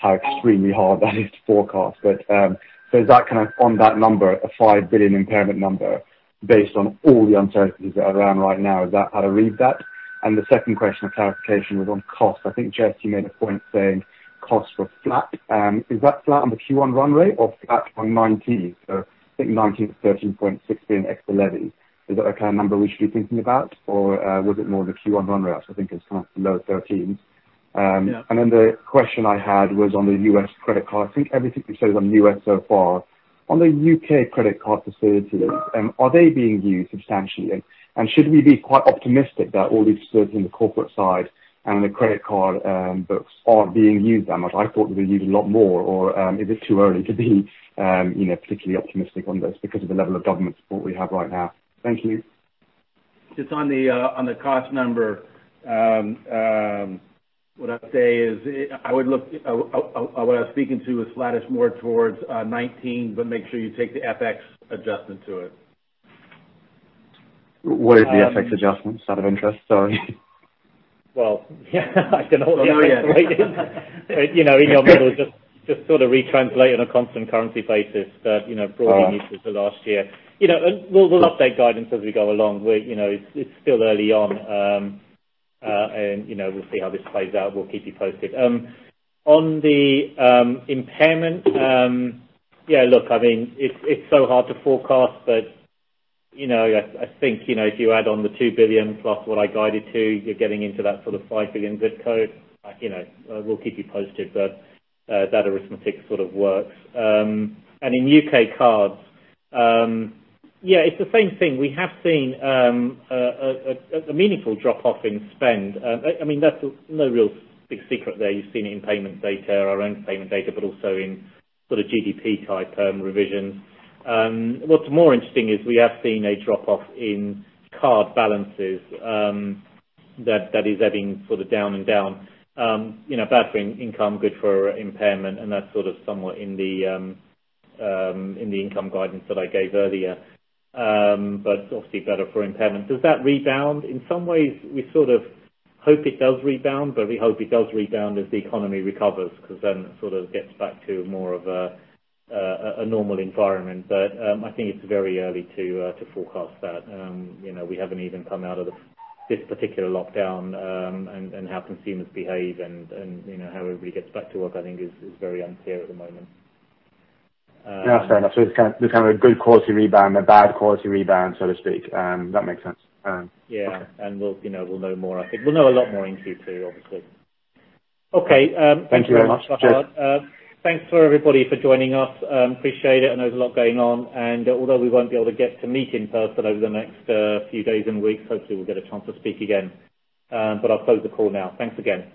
how extremely hard that is to forecast. Is that kind of on that number, a 5 billion impairment number based on all the uncertainties that are around right now? Is that how to read that? The second question of clarification was on cost. I think, Jes, you made a point saying costs were flat. Is that flat on the Q1 run rate or flat on 2019? I think 2019, 13.16 billion extra levy. Is that the kind of number we should be thinking about? Was it more the Q1 run rate? I think it's kind of the GBP low 13s billion. Yeah. The question I had was on the U.S. credit card. I think everything you've said is on U.S. so far. On the U.K. credit card facilities, are they being used substantially? Should we be quite optimistic that all these facilities in the corporate side and the credit card books are being used that much? I thought they'd be used a lot more. Is it too early to be particularly optimistic on this because of the level of government support we have right now? Thank you. Just on the cost number, what I'd say is what I was speaking to was flattish more towards 2019, make sure you take the FX adjustment to it. What is the FX adjustment, out of interest? Sorry. Well, I can hold you. Oh, yeah. Just sort of retranslate on a constant currency basis, but broadly. Oh this was the last year. We'll update guidance as we go along. It's still early on. We'll see how this plays out. We'll keep you posted. On the impairment. Yeah, look, it's so hard to forecast, but I think if you add on 2 billion plus what I guided to, you're getting into that sort of 5 billion zip code. We'll keep you posted, but that arithmetic sort of works. In U.K. cards, it's the same thing. We have seen a meaningful drop-off in spend. That's no real big secret there. You've seen it in payment data, our own payment data, but also in sort of GDP type revisions. What's more interesting is we have seen a drop-off in card balances that is ebbing sort of down and down. Bad for income, good for impairment, and that's sort of somewhat in the income guidance that I gave earlier. Obviously better for impairment. Does that rebound? In some ways, we sort of hope it does rebound, but we hope it does rebound as the economy recovers because then it sort of gets back to more of a normal environment. I think it's very early to forecast that. We haven't even come out of this particular lockdown and how consumers behave and how everybody gets back to work I think is very unclear at the moment. Yeah. Fair enough. It's kind of a good quality rebound, a bad quality rebound, so to speak. That makes sense. Yeah. We'll know more, I think. We'll know a lot more in Q2, obviously. Okay. Thank you very much. Cheers. Thanks for everybody for joining us. Appreciate it. I know there's a lot going on. Although we won't be able to get to meet in person over the next few days and weeks, hopefully we'll get a chance to speak again. I'll close the call now. Thanks again.